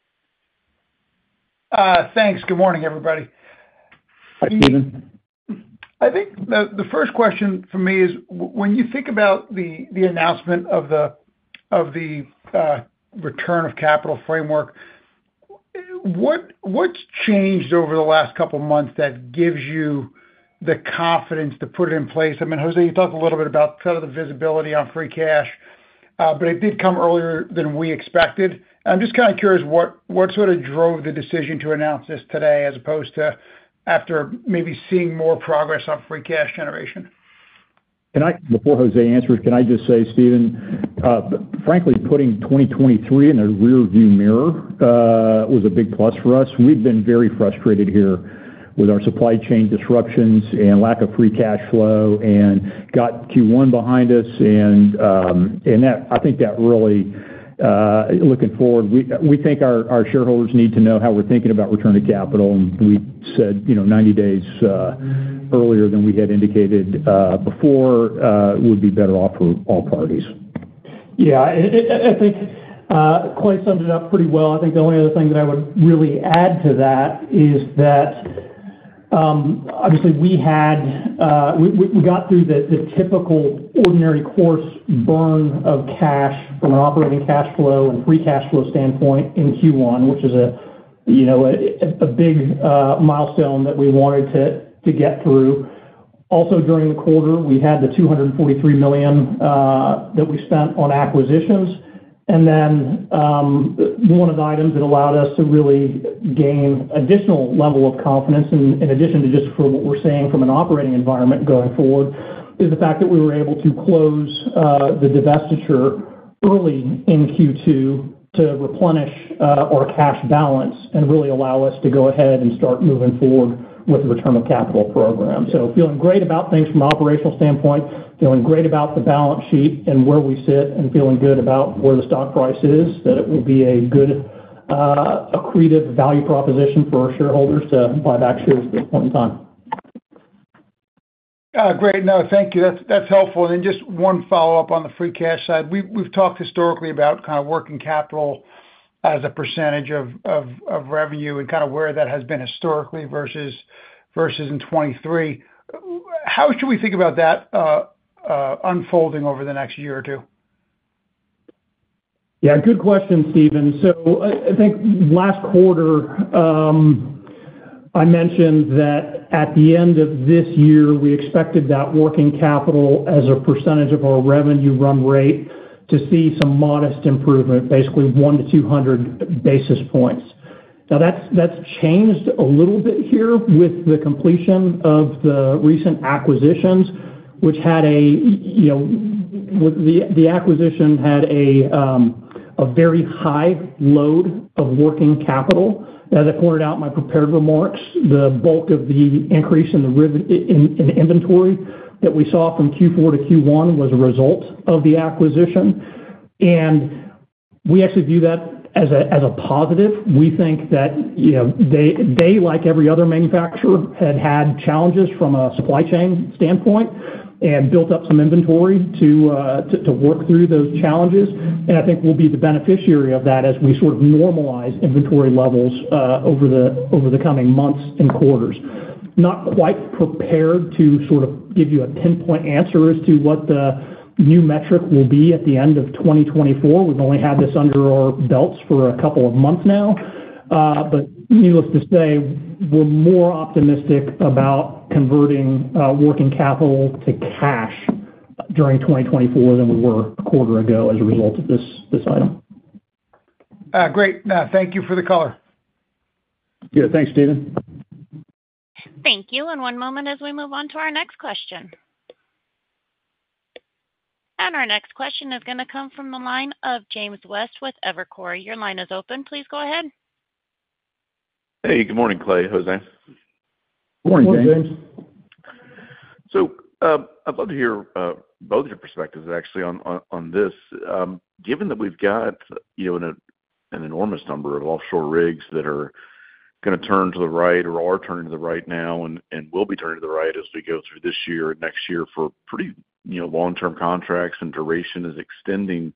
Thanks. Good morning, everybody. Hi, Stephen. I think the first question for me is, when you think about the announcement of the return of capital framework, what's changed over the last couple months that gives you the confidence to put it in place? I mean, Jose, you talked a little bit about kind of the visibility on free cash, but it did come earlier than we expected. I'm just kind of curious, what sort of drove the decision to announce this today as opposed to after maybe seeing more progress on free cash generation? Can I, before Jose answers, can I just say, Stephen, frankly, putting 2023 in a rearview mirror, was a big plus for us. We've been very frustrated here with our supply chain disruptions and lack of free cash flow, and got Q1 behind us, and, and that- I think that really, looking forward, we, we think our, our shareholders need to know how we're thinking about return to capital and we said, you know, 90 days, earlier than we had indicated, before, would be better off for all parties. Yeah, and I think Clay summed it up pretty well. I think the only other thing that I would really add to that is that, obviously, we got through the typical ordinary course burn of cash from an operating cash flow and free cash flow standpoint in Q1, which is, you know, a big milestone that we wanted to get through. Also, during the quarter, we had the $243 million that we spent on acquisitions. One of the items that allowed us to really gain additional level of confidence, in addition to just from what we're seeing from an operating environment going forward, is the fact that we were able to close the divestiture early in Q2 to replenish our cash balance and really allow us to go ahead and start moving forward with the return of capital program. So feeling great about things from an operational standpoint, feeling great about the balance sheet and where we sit, and feeling good about where the stock price is, that it will be a good accretive value proposition for our shareholders to buy back shares at this point in time. Great. No, thank you. That's, that's helpful. Then just one follow-up on the free cash side. We've talked historically about kind of working capital as a percentage of revenue and kind of where that has been historically versus in 2023. How should we think about that unfolding over the next year or two? Yeah, good question, Stephen. So I think last quarter, I mentioned that at the end of this year, we expected that working capital as a percentage of our revenue run rate to see some modest improvement, basically 100-200 basis points. Now, that's changed a little bit here with the completion of the recent acquisitions, which had a, you know, the acquisition had a very high load of working capital. As I pointed out in my prepared remarks, the bulk of the increase in the inventory that we saw from Q4 to Q1 was a result of the acquisition, and we actually view that as a positive. We think that, you know, they, they, like every other manufacturer, had had challenges from a supply chain standpoint and built up some inventory to, to work through those challenges. I think we'll be the beneficiary of that as we sort of normalize inventory levels, over the coming months and quarters. Not quite prepared to sort of give you a 10-point answer as to what the new metric will be at the end of 2024. We've only had this under our belts for a couple of months now. But needless to say, we're more optimistic about converting, working capital to cash during 2024 than we were a quarter ago as a result of this, this item. Great. Thank you for the color. Yeah, thanks, Stephen. Thank you, and one moment as we move on to our next question. Our next question is gonna come from the line of James West with Evercore. Your line is open. Please go ahead. Hey, good morning, Clay, Jose. Good morning, James. Good morning, James. So, I'd love to hear both of your perspectives actually on, on, on this. Given that we've got, you know, an enormous number of offshore rigs that are gonna turn to the right or are turning to the right now, and, and will be turning to the right as we go through this year and next year for pretty, you know, long-term contracts and duration is extending,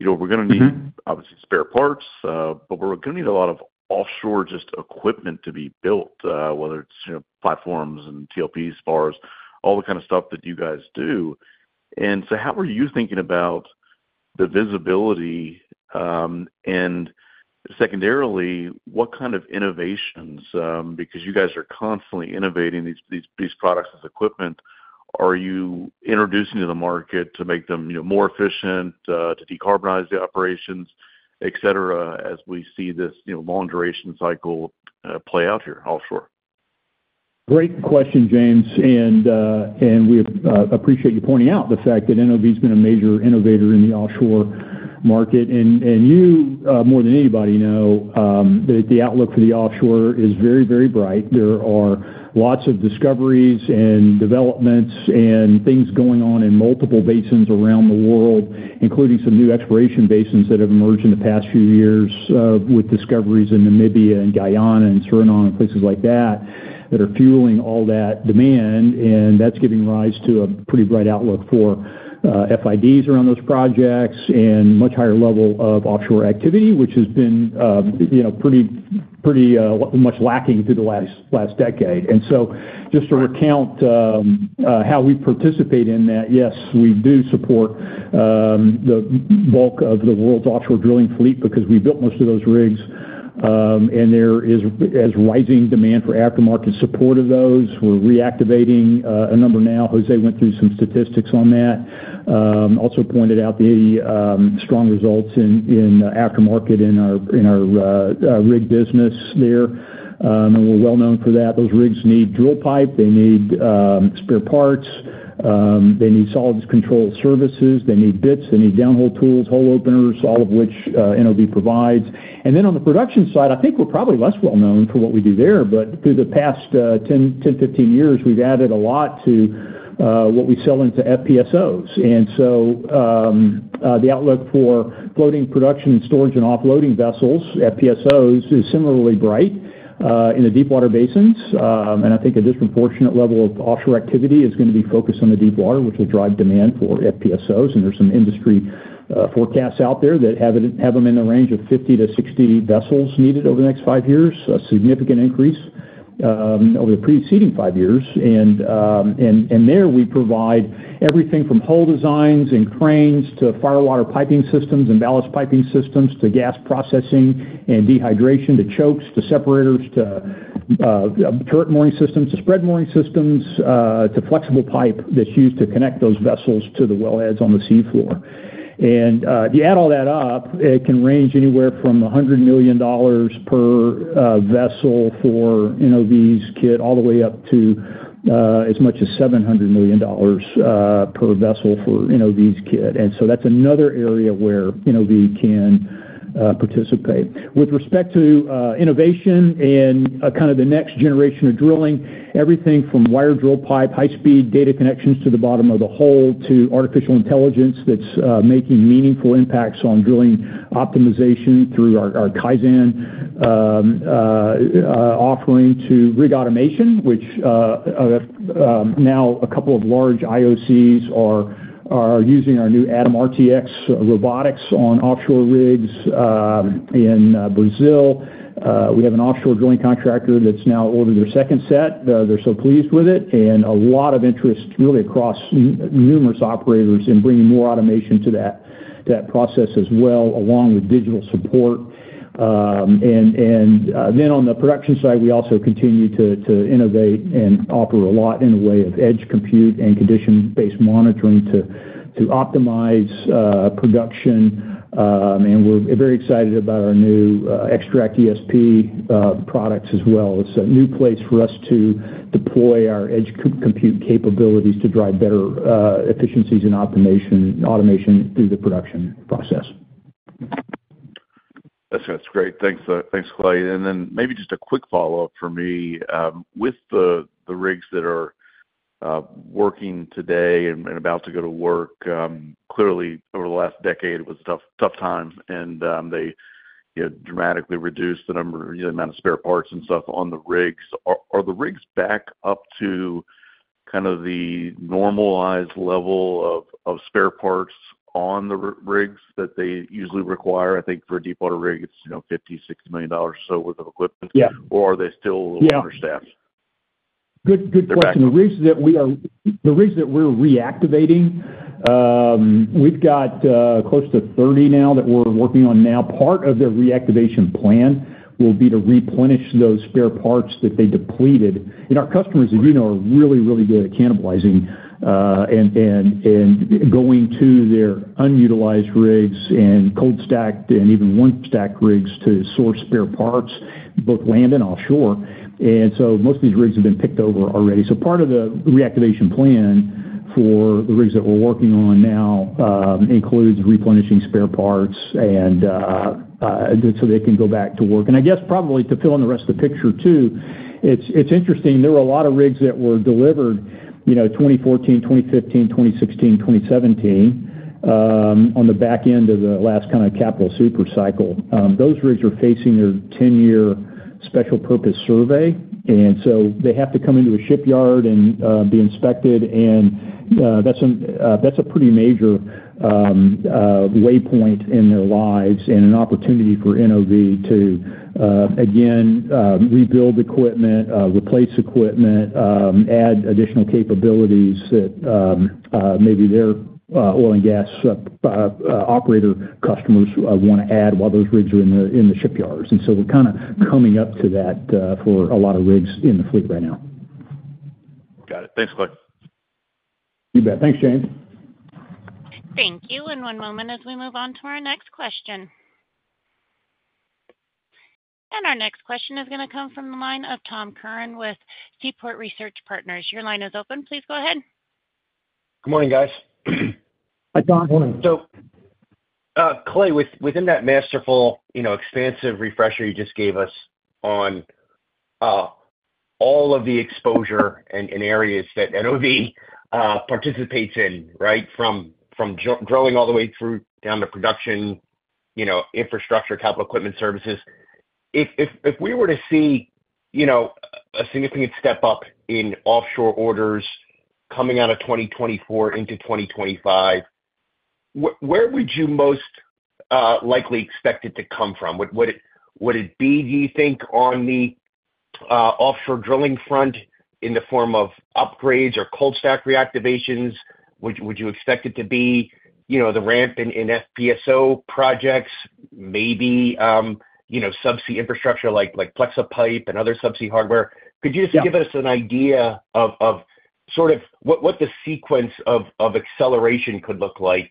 you know, we're gonna need obviously, spare parts, but we're gonna need a lot of offshore just equipment to be built, whether it's, you know, platforms and TLPs, spars, all the kind of stuff that you guys do. So how are you thinking about the visibility? Secondarily, what kind of innovations, because you guys are constantly innovating these, these, these products as equipment, are you introducing to the market to make them, you know, more efficient, to decarbonize the operations, et cetera, as we see this, you know, long-duration cycle, play out here offshore? Great question, James, and we appreciate you pointing out the fact that NOV's been a major innovator in the offshore market. You, more than anybody, know that the outlook for the offshore is very, very bright. There are lots of discoveries and developments and things going on in multiple basins including some new exploration basins that have emerged in the past few years, with discoveries in Namibia and Guyana and Suriname, and places like that, that are fueling all that demand. That's giving rise to a pretty bright outlook for FIDs around those projects, and much higher level of offshore activity, which has been, you know, pretty much lacking through the last decade. So just to recount how we participate in that, yes, we do support the bulk of the world's offshore drilling fleet, because we built most of those rigs and there is rising demand for aftermarket support of those. We're reactivating a number now. Jose went through some statistics on that. Also pointed out the strong results in aftermarket in our rig business there and we're well known for that. Those rigs need Drill Pipe, they need spare parts, they need solids control services, they need bits, they need downhole tools, hole openers, all of which NOV provides. Then on the production side, I think we're probably less well known for what we do there, but through the past 10-15 years, we've added a lot to what we sell into FPSOs. So, the outlook for floating production storage and offloading vessels, FPSOs, is similarly bright in the deepwater basins. I think a disproportionate level of offshore activity is gonna be focused on the deepwater, which will drive demand for FPSOs and there's some industry forecasts out there that have them in the range of 50-60 vessels needed over the next five years, a significant increase over the preceding five years. There we provide everything from hole designs and cranes to fire water piping systems and ballast piping systems, to gas processing and dehydration, to chokes, to separators, to turret mooring systems, to spread mooring systems, to flexible pipe that's used to connect those vessels to the wellheads on the sea floor. If you add all that up, it can range anywhere from $100 million per vessel for NOV's kit, all the way up to as much as $700 million per vessel for NOV's kit. So that's another area where NOV can participate. With respect to innovation and kind of the next generation of drilling, everything wired Drill Pipe, high speed data connections to the bottom of the hole, to artificial intelligence that's making meaningful impacts on drilling optimization through our Kaizen offering to rig automation, which now a couple of large IOCs are using our new ATOM RTX robotics on offshore rigs in Brazil. We have an offshore drilling contractor that's now ordered their second set. They're so pleased with it, and a lot of interest really across numerous operators in bringing more automation to that process as well, along with digital support. Then on the production side, we also continue to innovate and offer a lot in the way of edge compute and condition-based monitoring to optimize production. We're very excited about our new Extract ESP products as well. It's a new place for us to deploy our edge compute capabilities to drive better efficiencies and automation through the production process. That's great. Thanks. Thanks, Clay. Then maybe just a quick follow-up for me. With the, the rigs that are working today and about to go to work, clearly, over the last decade, it was tough, tough times, and they, you know, dramatically reduced the number, the amount of spare parts and stuff on the rigs. Are the rigs back up to kind of the normalized level of spare parts on the rigs that they usually require? I think for a deepwater rig, it's, you know, $50-$60 million or so worth of equipment. Yeah. Or are they still a little understaffed? Good, good question. They're back. The rigs that we're reactivating, we've got close to 30 now that we're working on now. Part of the reactivation plan will be to replenish those spare parts that they depleted and our customers, as you know, are really, really good at cannibalizing and going to their unutilized rigs and cold stacked and even warm stacked rigs to source spare parts, both land and offshore. So most of these rigs have been picked over already. So part of the reactivation plan for the rigs that we're working on now includes replenishing spare parts and so they can go back to work. I guess probably to fill in the rest of the picture too, it's interesting, there were a lot of rigs that were delivered, you know, 2014, 2015, 2016, 2017, on the back end of the last kind of capital super cycle. Those rigs are facing a 10-year special purpose survey, and so they have to come into a shipyard and be inspected and that's a pretty major waypoint in their lives and an opportunity for NOV to again rebuild equipment, replace equipment, add additional capabilities that maybe their oil and gas operator customers want to add while those rigs are in the shipyards. So we're kind of coming up to that for a lot of rigs in the fleet right now. Got it. Thanks, Clay. You bet. Thanks, James. Thank you. One moment as we move on to our next question. Our next question is gonna come from the line of Tom Curran with Seaport Research Partners. Your line is open. Please go ahead. Good morning, guys. Hi, Tom. Good morning. Clay, within that masterful, you know, expansive refresher you just gave us on all of the exposure and areas that NOV participates in, right? From drilling all the way through, down to production, you know, infrastructure, capital equipment services. If we were to see, you know, a significant step up in offshore orders coming out of 2024 into 2025, where would you most likely expect it to come from? Would it be, do you think, on the offshore drilling front in the form of upgrades or cold stack reactivations? Would you expect it to be, you know, the ramp in FPSO projects, maybe, you know, subsea infrastructure, like flexible pipe and other subsea hardware? Yeah. Could you just give us an idea of sort of what the sequence of acceleration could look like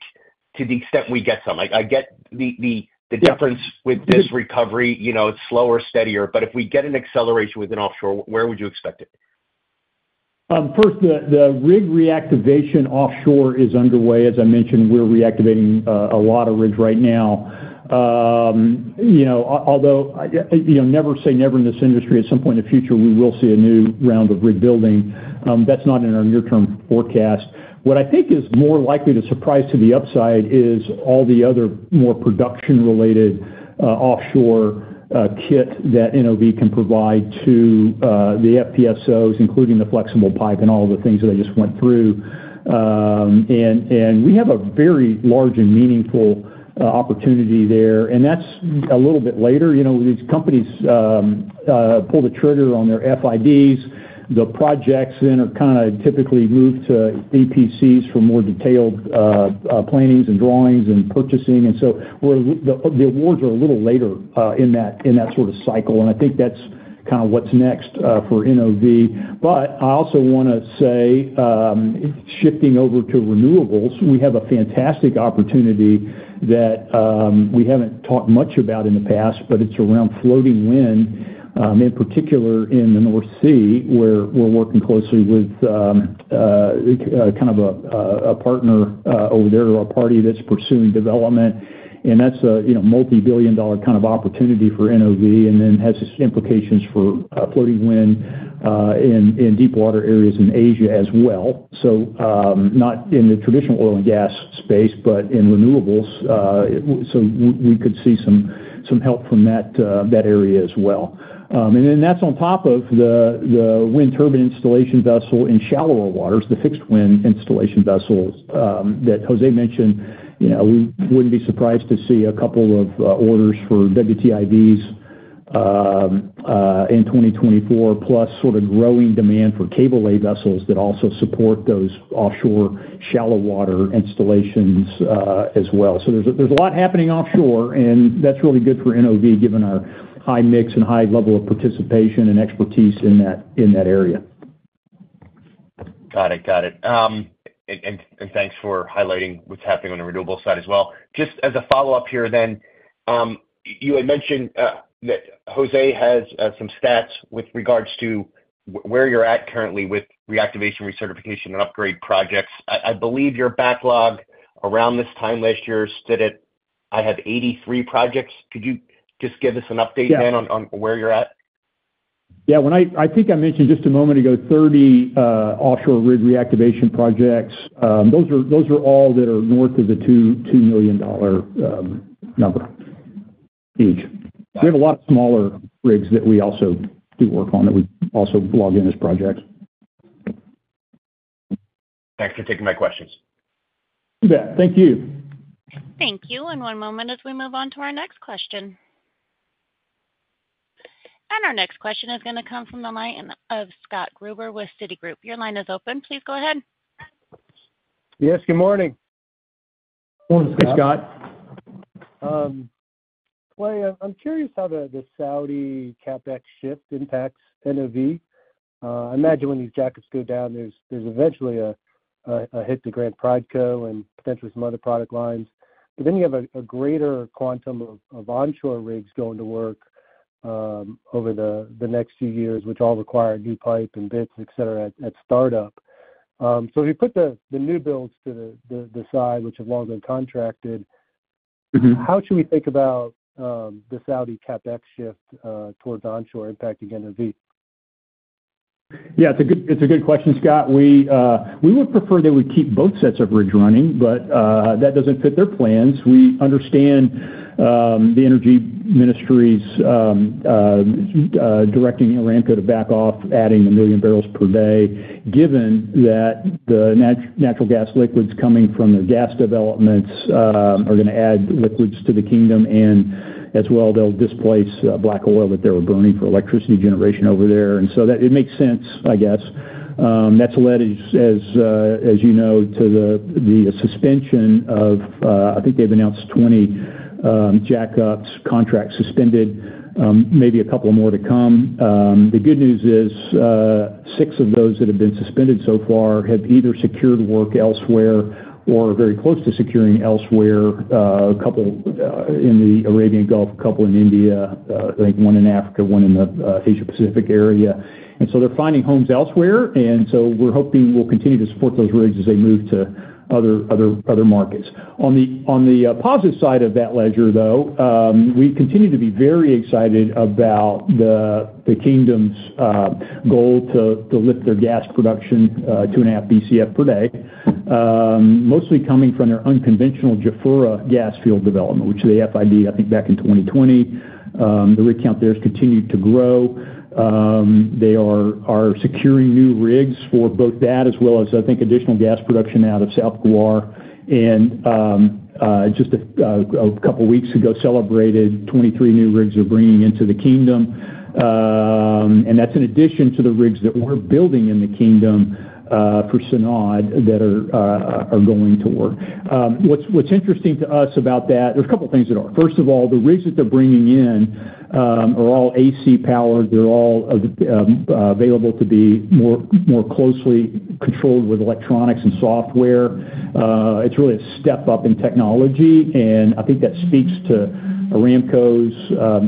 to the extent we get some? Like I get the difference with this recovery, you know, it's slower, steadier, but if we get an acceleration within offshore, where would you expect it? First, the rig reactivation offshore is underway. As I mentioned, we're reactivating a lot of rigs right now. You know, although you know, never say never in this industry. At some point in the future, we will see a new round of rig building. That's not in our near-term forecast. What I think is more likely to surprise to the upside is all the other more production-related offshore kit that NOV can provide to the FPSOs, including the flexible pipe and all the things that I just went through. We have a very large and meaningful opportunity there, and that's a little bit later. You know, these companies pull the trigger on their FIDs. The projects then are kind of typically moved to EPCs for more detailed planning and drawings and purchasing, and so the awards are a little later in that sort of cycle, and I think that's kind of what's next for NOV. But I also want to say, shifting over to renewables, we have a fantastic opportunity that we haven't talked much about in the past, but it's around floating wind in particular in the North Sea, where we're working closely with kind of a partner over there or a party that's pursuing development. That's a, you know, multibillion-dollar kind of opportunity for NOV, and then has implications for floating wind in deep water areas in Asia as well. So, not in the traditional oil and gas space, but in renewables. So we could see some help from that area as well. Then that's on top of the wind turbine installation vessel in shallower waters, the fixed wind installation vessels that Jose mentioned. You know, we wouldn't be surprised to see a couple of orders for WTIVs in 2024, plus sort of growing demand for cable lay vessels that also support those offshore shallow water installations as well. So there's a lot happening offshore, and that's really good for NOV, given our high mix and high level of participation and expertise in that area. Got it. Got it. Thanks for highlighting what's happening on the renewable side as well. Just as a follow-up here then, you had mentioned that Jose has some stats with regards to where you're at currently with reactivation, recertification, and upgrade projects. I believe your backlog around this time last year stood at, I have 83 projects. Could you just give us an updatehen on where you're at? Yeah. When I think I mentioned just a moment ago, 30 offshore rig reactivation projects. Those are, those are all that are north of the $2 million number each. Got it. We have a lot of smaller rigs that we also do work on, that we also log in as projects. Thanks for taking my questions. Yeah. Thank you. Thank you. One moment as we move on to our next question. Our next question is gonna come from the line of Scott Gruber with Citigroup. Your line is open. Please go ahead. Yes, good morning. Morning, Scott. Hey, Scott. Clay, I'm curious how the Saudi CapEx shift impacts NOV. I imagine when these jackets go down, there's eventually a hit to Grant Prideco and potentially some other product lines. But then you have a greater quantum of onshore rigs going to work over the next few years, which all require new pipe and bits, et cetera, at startup. So if you put the new builds to the side, which have long been contracted, how should we think about the Saudi CapEx shift towards onshore impacting NOV? Yeah, it's a good, it's a good question, Scott. We would prefer they would keep both sets of rigs running, but that doesn't fit their plans. We understand the Energy Ministry directing Aramco to back off adding a million barrels per day, given that the natural gas liquids coming from the gas developments are gonna add liquids to the kingdom, and as well, they'll displace black oil that they were burning for electricity generation over there. So It makes sense, I guess. That's led, as you know, to the suspension of, I think they've announced 20 jackups contracts suspended, maybe a couple more to come. The good news is, six of those that have been suspended so far have either secured work elsewhere or are very close to securing elsewhere, a couple in the Arabian Gulf, a couple in India, I think one in Africa, one in the Asia Pacific area. So they're finding homes elsewhere, and so we're hoping we'll continue to support those rigs as they move to other markets. On the positive side of that ledger, though, we continue to be very excited about the kingdom's goal to lift their gas production 2.5 BCF per day, mostly coming from their unconventional Jafurah gas field development, which they FID, I think, back in 2020. The rig count there has continued to grow. They are securing new rigs for both that as well as, I think, additional gas production out of South Ghawar, and just a couple of weeks ago celebrated 23 new rigs they're bringing into the kingdom. That's in addition to the rigs that we're building in the kingdom for Sanad that are going to work. What's interesting to us about that, there's a couple of things that are. First of all, the rigs that they're bringing in are all AC powered. They're all available to be more closely controlled with electronics and software. It's really a step up in technology, and I think that speaks to Aramco's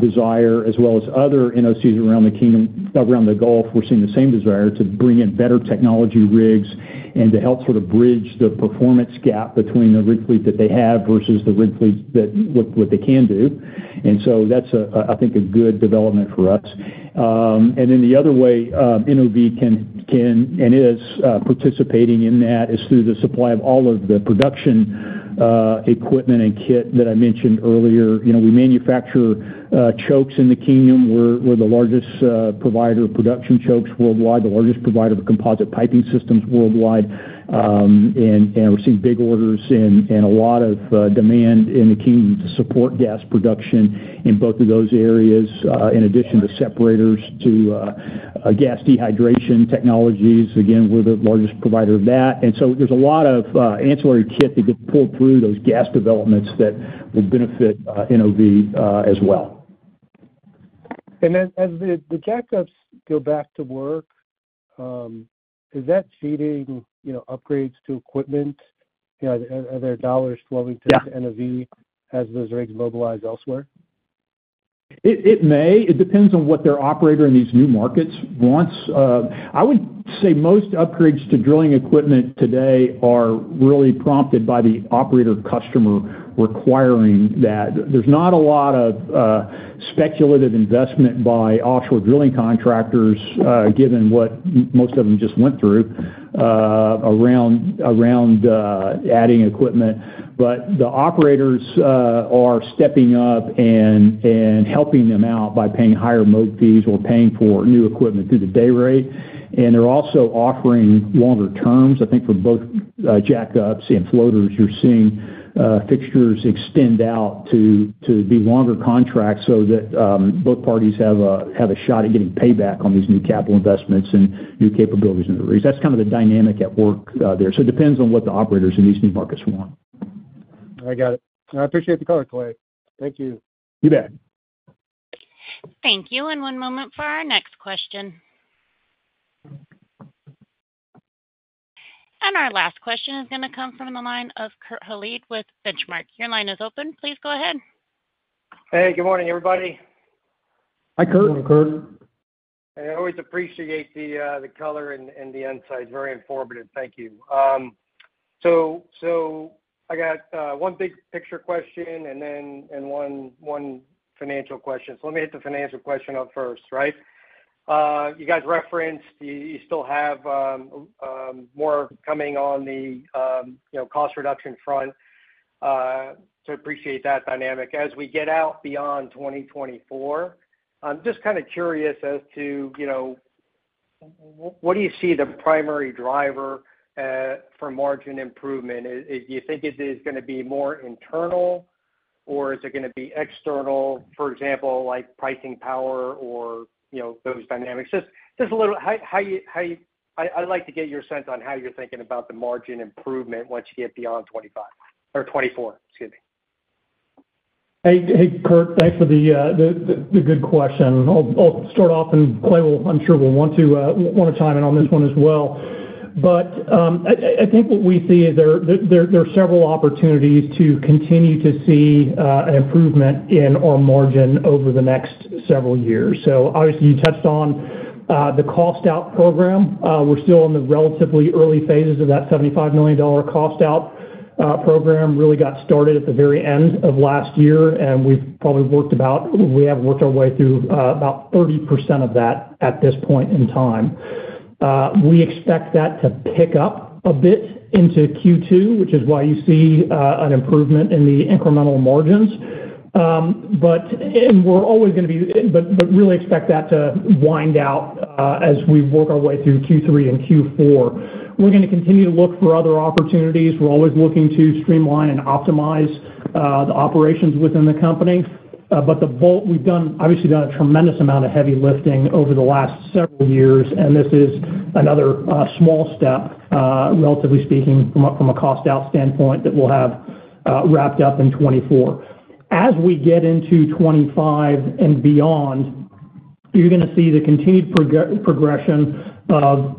desire as well as other NOCs around the kingdom, around the Gulf. We're seeing the same desire to bring in better technology rigs and to help sort of bridge the performance gap between the rig fleet that they have versus the rig fleet that—what, what they can do. So that's a, I think, a good development for us. Then the other way, NOV can, can and is, participating in that is through the supply of all of the production, equipment and kit that I mentioned earlier. You know, we manufacture, chokes in the kingdom. We're, we're the largest, provider of production chokes worldwide, the largest provider of composite piping systems worldwide, and, and we're seeing big orders and a lot of, demand in the kingdom to support gas production in both of those areas, in addition to separators, to, gas dehydration technologies. Again, we're the largest provider of that. So there's a lot of ancillary kit that get pulled through those gas developments that will benefit NOV as well. Then as the jackups go back to work, is that seeding, you know, upgrades to equipment? You know, are there dollars flowing to NOV as those rigs mobilize elsewhere? It may. It depends on what their operator in these new markets wants. I would say most upgrades to Drilling Equipment today are really prompted by the operator customer requiring that. There's not a lot of speculative investment by offshore drilling contractors, given what most of them just went through, around adding equipment. But the operators are stepping up and helping them out by paying higher mob fees or paying for new equipment through the day rate, and they're also offering longer terms. I think for both jackups and floaters, you're seeing fixtures extend out to be longer contracts so that both parties have a shot at getting payback on these new capital investments and new capabilities in the rigs. That's kind of the dynamic at work there. So it depends on what the operators in these new markets want. I got it. I appreciate the color, Clay. Thank you. You bet. Thank you, and one moment for our next question. Our last question is gonna come from the line of Kurt Hallead with Benchmark. Your line is open. Please go ahead. Hey, good morning, everybody. Hi, Kurt. Good morning, Kurt. I always appreciate the, the color and, and the insight. Very informative. Thank you. So I got, one big picture question and then, and one, one financial question. So let me hit the financial question up first, right? You guys referenced you, you still have, more coming on the, you know, cost reduction front. So appreciate that dynamic. As we get out beyond 2024, I'm just kind of curious as to, you know, what do you see the primary driver, for margin improvement? Do you think it is gonna be more internal, or is it gonna be external, for example, like pricing power or, you know, those dynamics? Just, just a little—how, how you, how you... I'd like to get your sense on how you're thinking about the margin improvement once you get beyond 2025 or 2024, excuse me. Hey, hey, Kurt. Thanks for the good question. I'll start off, and Clay will—I'm sure will want to chime in on this one as well. But I think what we see is there are several opportunities to continue to see an improvement in our margin over the next several years. So obviously, you touched on the cost out program. We're still in the relatively early phases of that $75 million cost out program. Really got started at the very end of last year, and we've probably worked about—we have worked our way through about 30% of that at this point in time. We expect that to pick up a bit into Q2, which is why you see an improvement in the incremental margins. But we're always gonna be- but really expect that to wind out as we work our way through Q3 and Q4. We're gonna continue to look for other opportunities. We're always looking to streamline and optimize the operations within the company. But the bolt-ons we've done, obviously done a tremendous amount of heavy lifting over the last several years, and this is another small step, relatively speaking, from a cost out standpoint, that we'll have wrapped up in 2024. As we get into 2025 and beyond, you're gonna see the continued progression of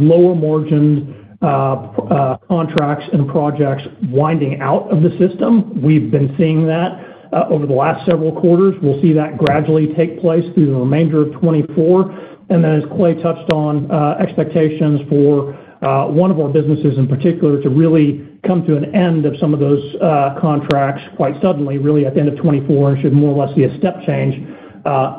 lower margin contracts and projects winding out of the system. We've been seeing that over the last several quarters. We'll see that gradually take place through the remainder of 2024. Then, as Clay touched on, expectations for one of our businesses in particular to really come to an end of some of those contracts quite suddenly, really at the end of 2024, and should more or less be a step change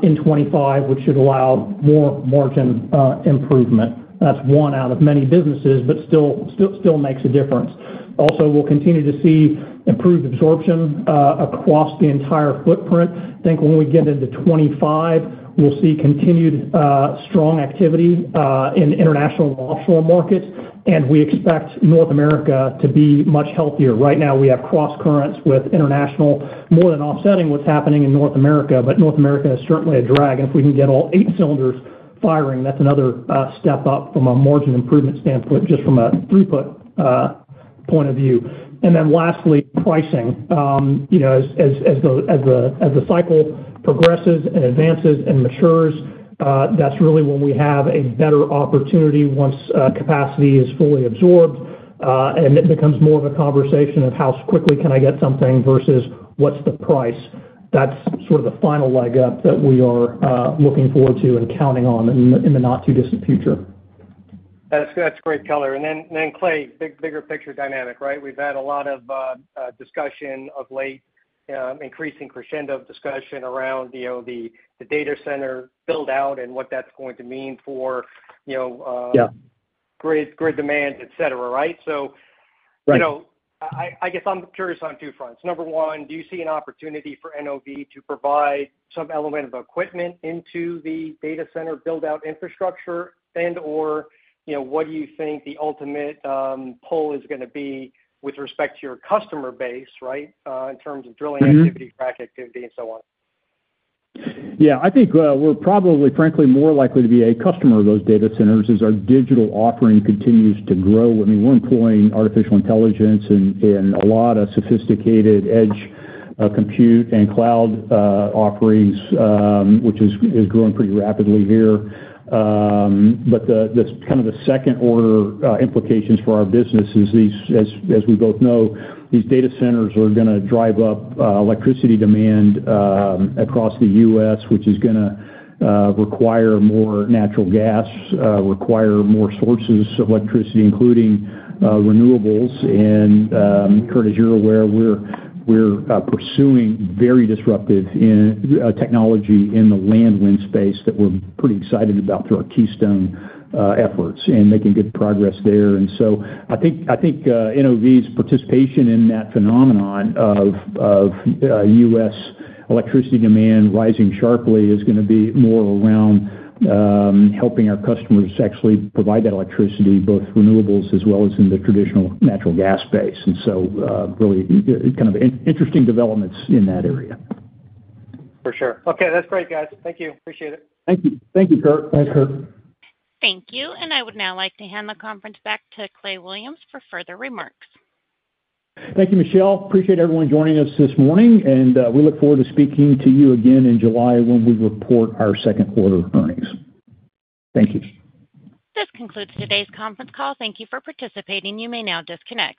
in 2025, which should allow more margin improvement. That's one out of many businesses, but still, still, still makes a difference. Also, we'll continue to see improved absorption across the entire footprint. I think when we get into 2025, we'll see continued strong activity in international offshore markets, and we expect North America to be much healthier. Right now, we have crosscurrents with international more than offsetting what's happening in North America, but North America is certainly a drag. If we can get all eight cylinders firing, that's another step up from a margin improvement standpoint, just from a throughput point of view. Then lastly, pricing. You know, as the cycle progresses and advances and matures, that's really when we have a better opportunity once capacity is fully absorbed, and it becomes more of a conversation of how quickly can I get something versus what's the price. That's sort of the final leg up that we are looking forward to and counting on in the not-too-distant future. That's, that's great color. Then, and then Clay, bigger picture dynamic, right? We've had a lot of discussion of late, increasing crescendo of discussion around, you know, the, the data center build-out and what that's going to mean for, you know, grid demands, et cetera, right? Right. You know, I guess I'm curious on two fronts. Number one, do you see an opportunity for NOV to provide some element of equipment into the data center build-out infrastructure, and/or, you know, what do you think the ultimate pull is gonna be with respect to your customer base, right, in terms of drilling activity frac activity, and so on? Yeah. I think we're probably, frankly, more likely to be a customer of those data centers as our digital offering continues to grow. I mean, we're employing artificial intelligence and a lot of sophisticated edge compute and cloud offerings, which is growing pretty rapidly here. But the kind of the second order implications for our business is these, as we both know, these data centers are gonna drive up electricity demand across the U.S., which is gonna require more natural gas, require more sources of electricity, including renewables. Kurt, as you're aware, we're pursuing very disruptive in technology in the land wind space that we're pretty excited about through our Keystone efforts and making good progress there. I think NOV's participation in that phenomenon of U.S. electricity demand rising sharply is gonna be more around helping our customers actually provide that electricity, both renewables as well as in the traditional natural gas space, and so really kind of interesting developments in that area. For sure. Okay, that's great, guys. Thank you. Appreciate it. Thank you. Thank you, Kurt. Thanks, Kurt. Thank you, and I would now like to hand the conference back to Clay Williams for further remarks. Thank you, Michelle. Appreciate everyone joining us this morning, and we look forward to speaking to you again in July when we report our second quarter earnings. Thank you. This concludes today's conference call. Thank you for participating. You may now disconnect.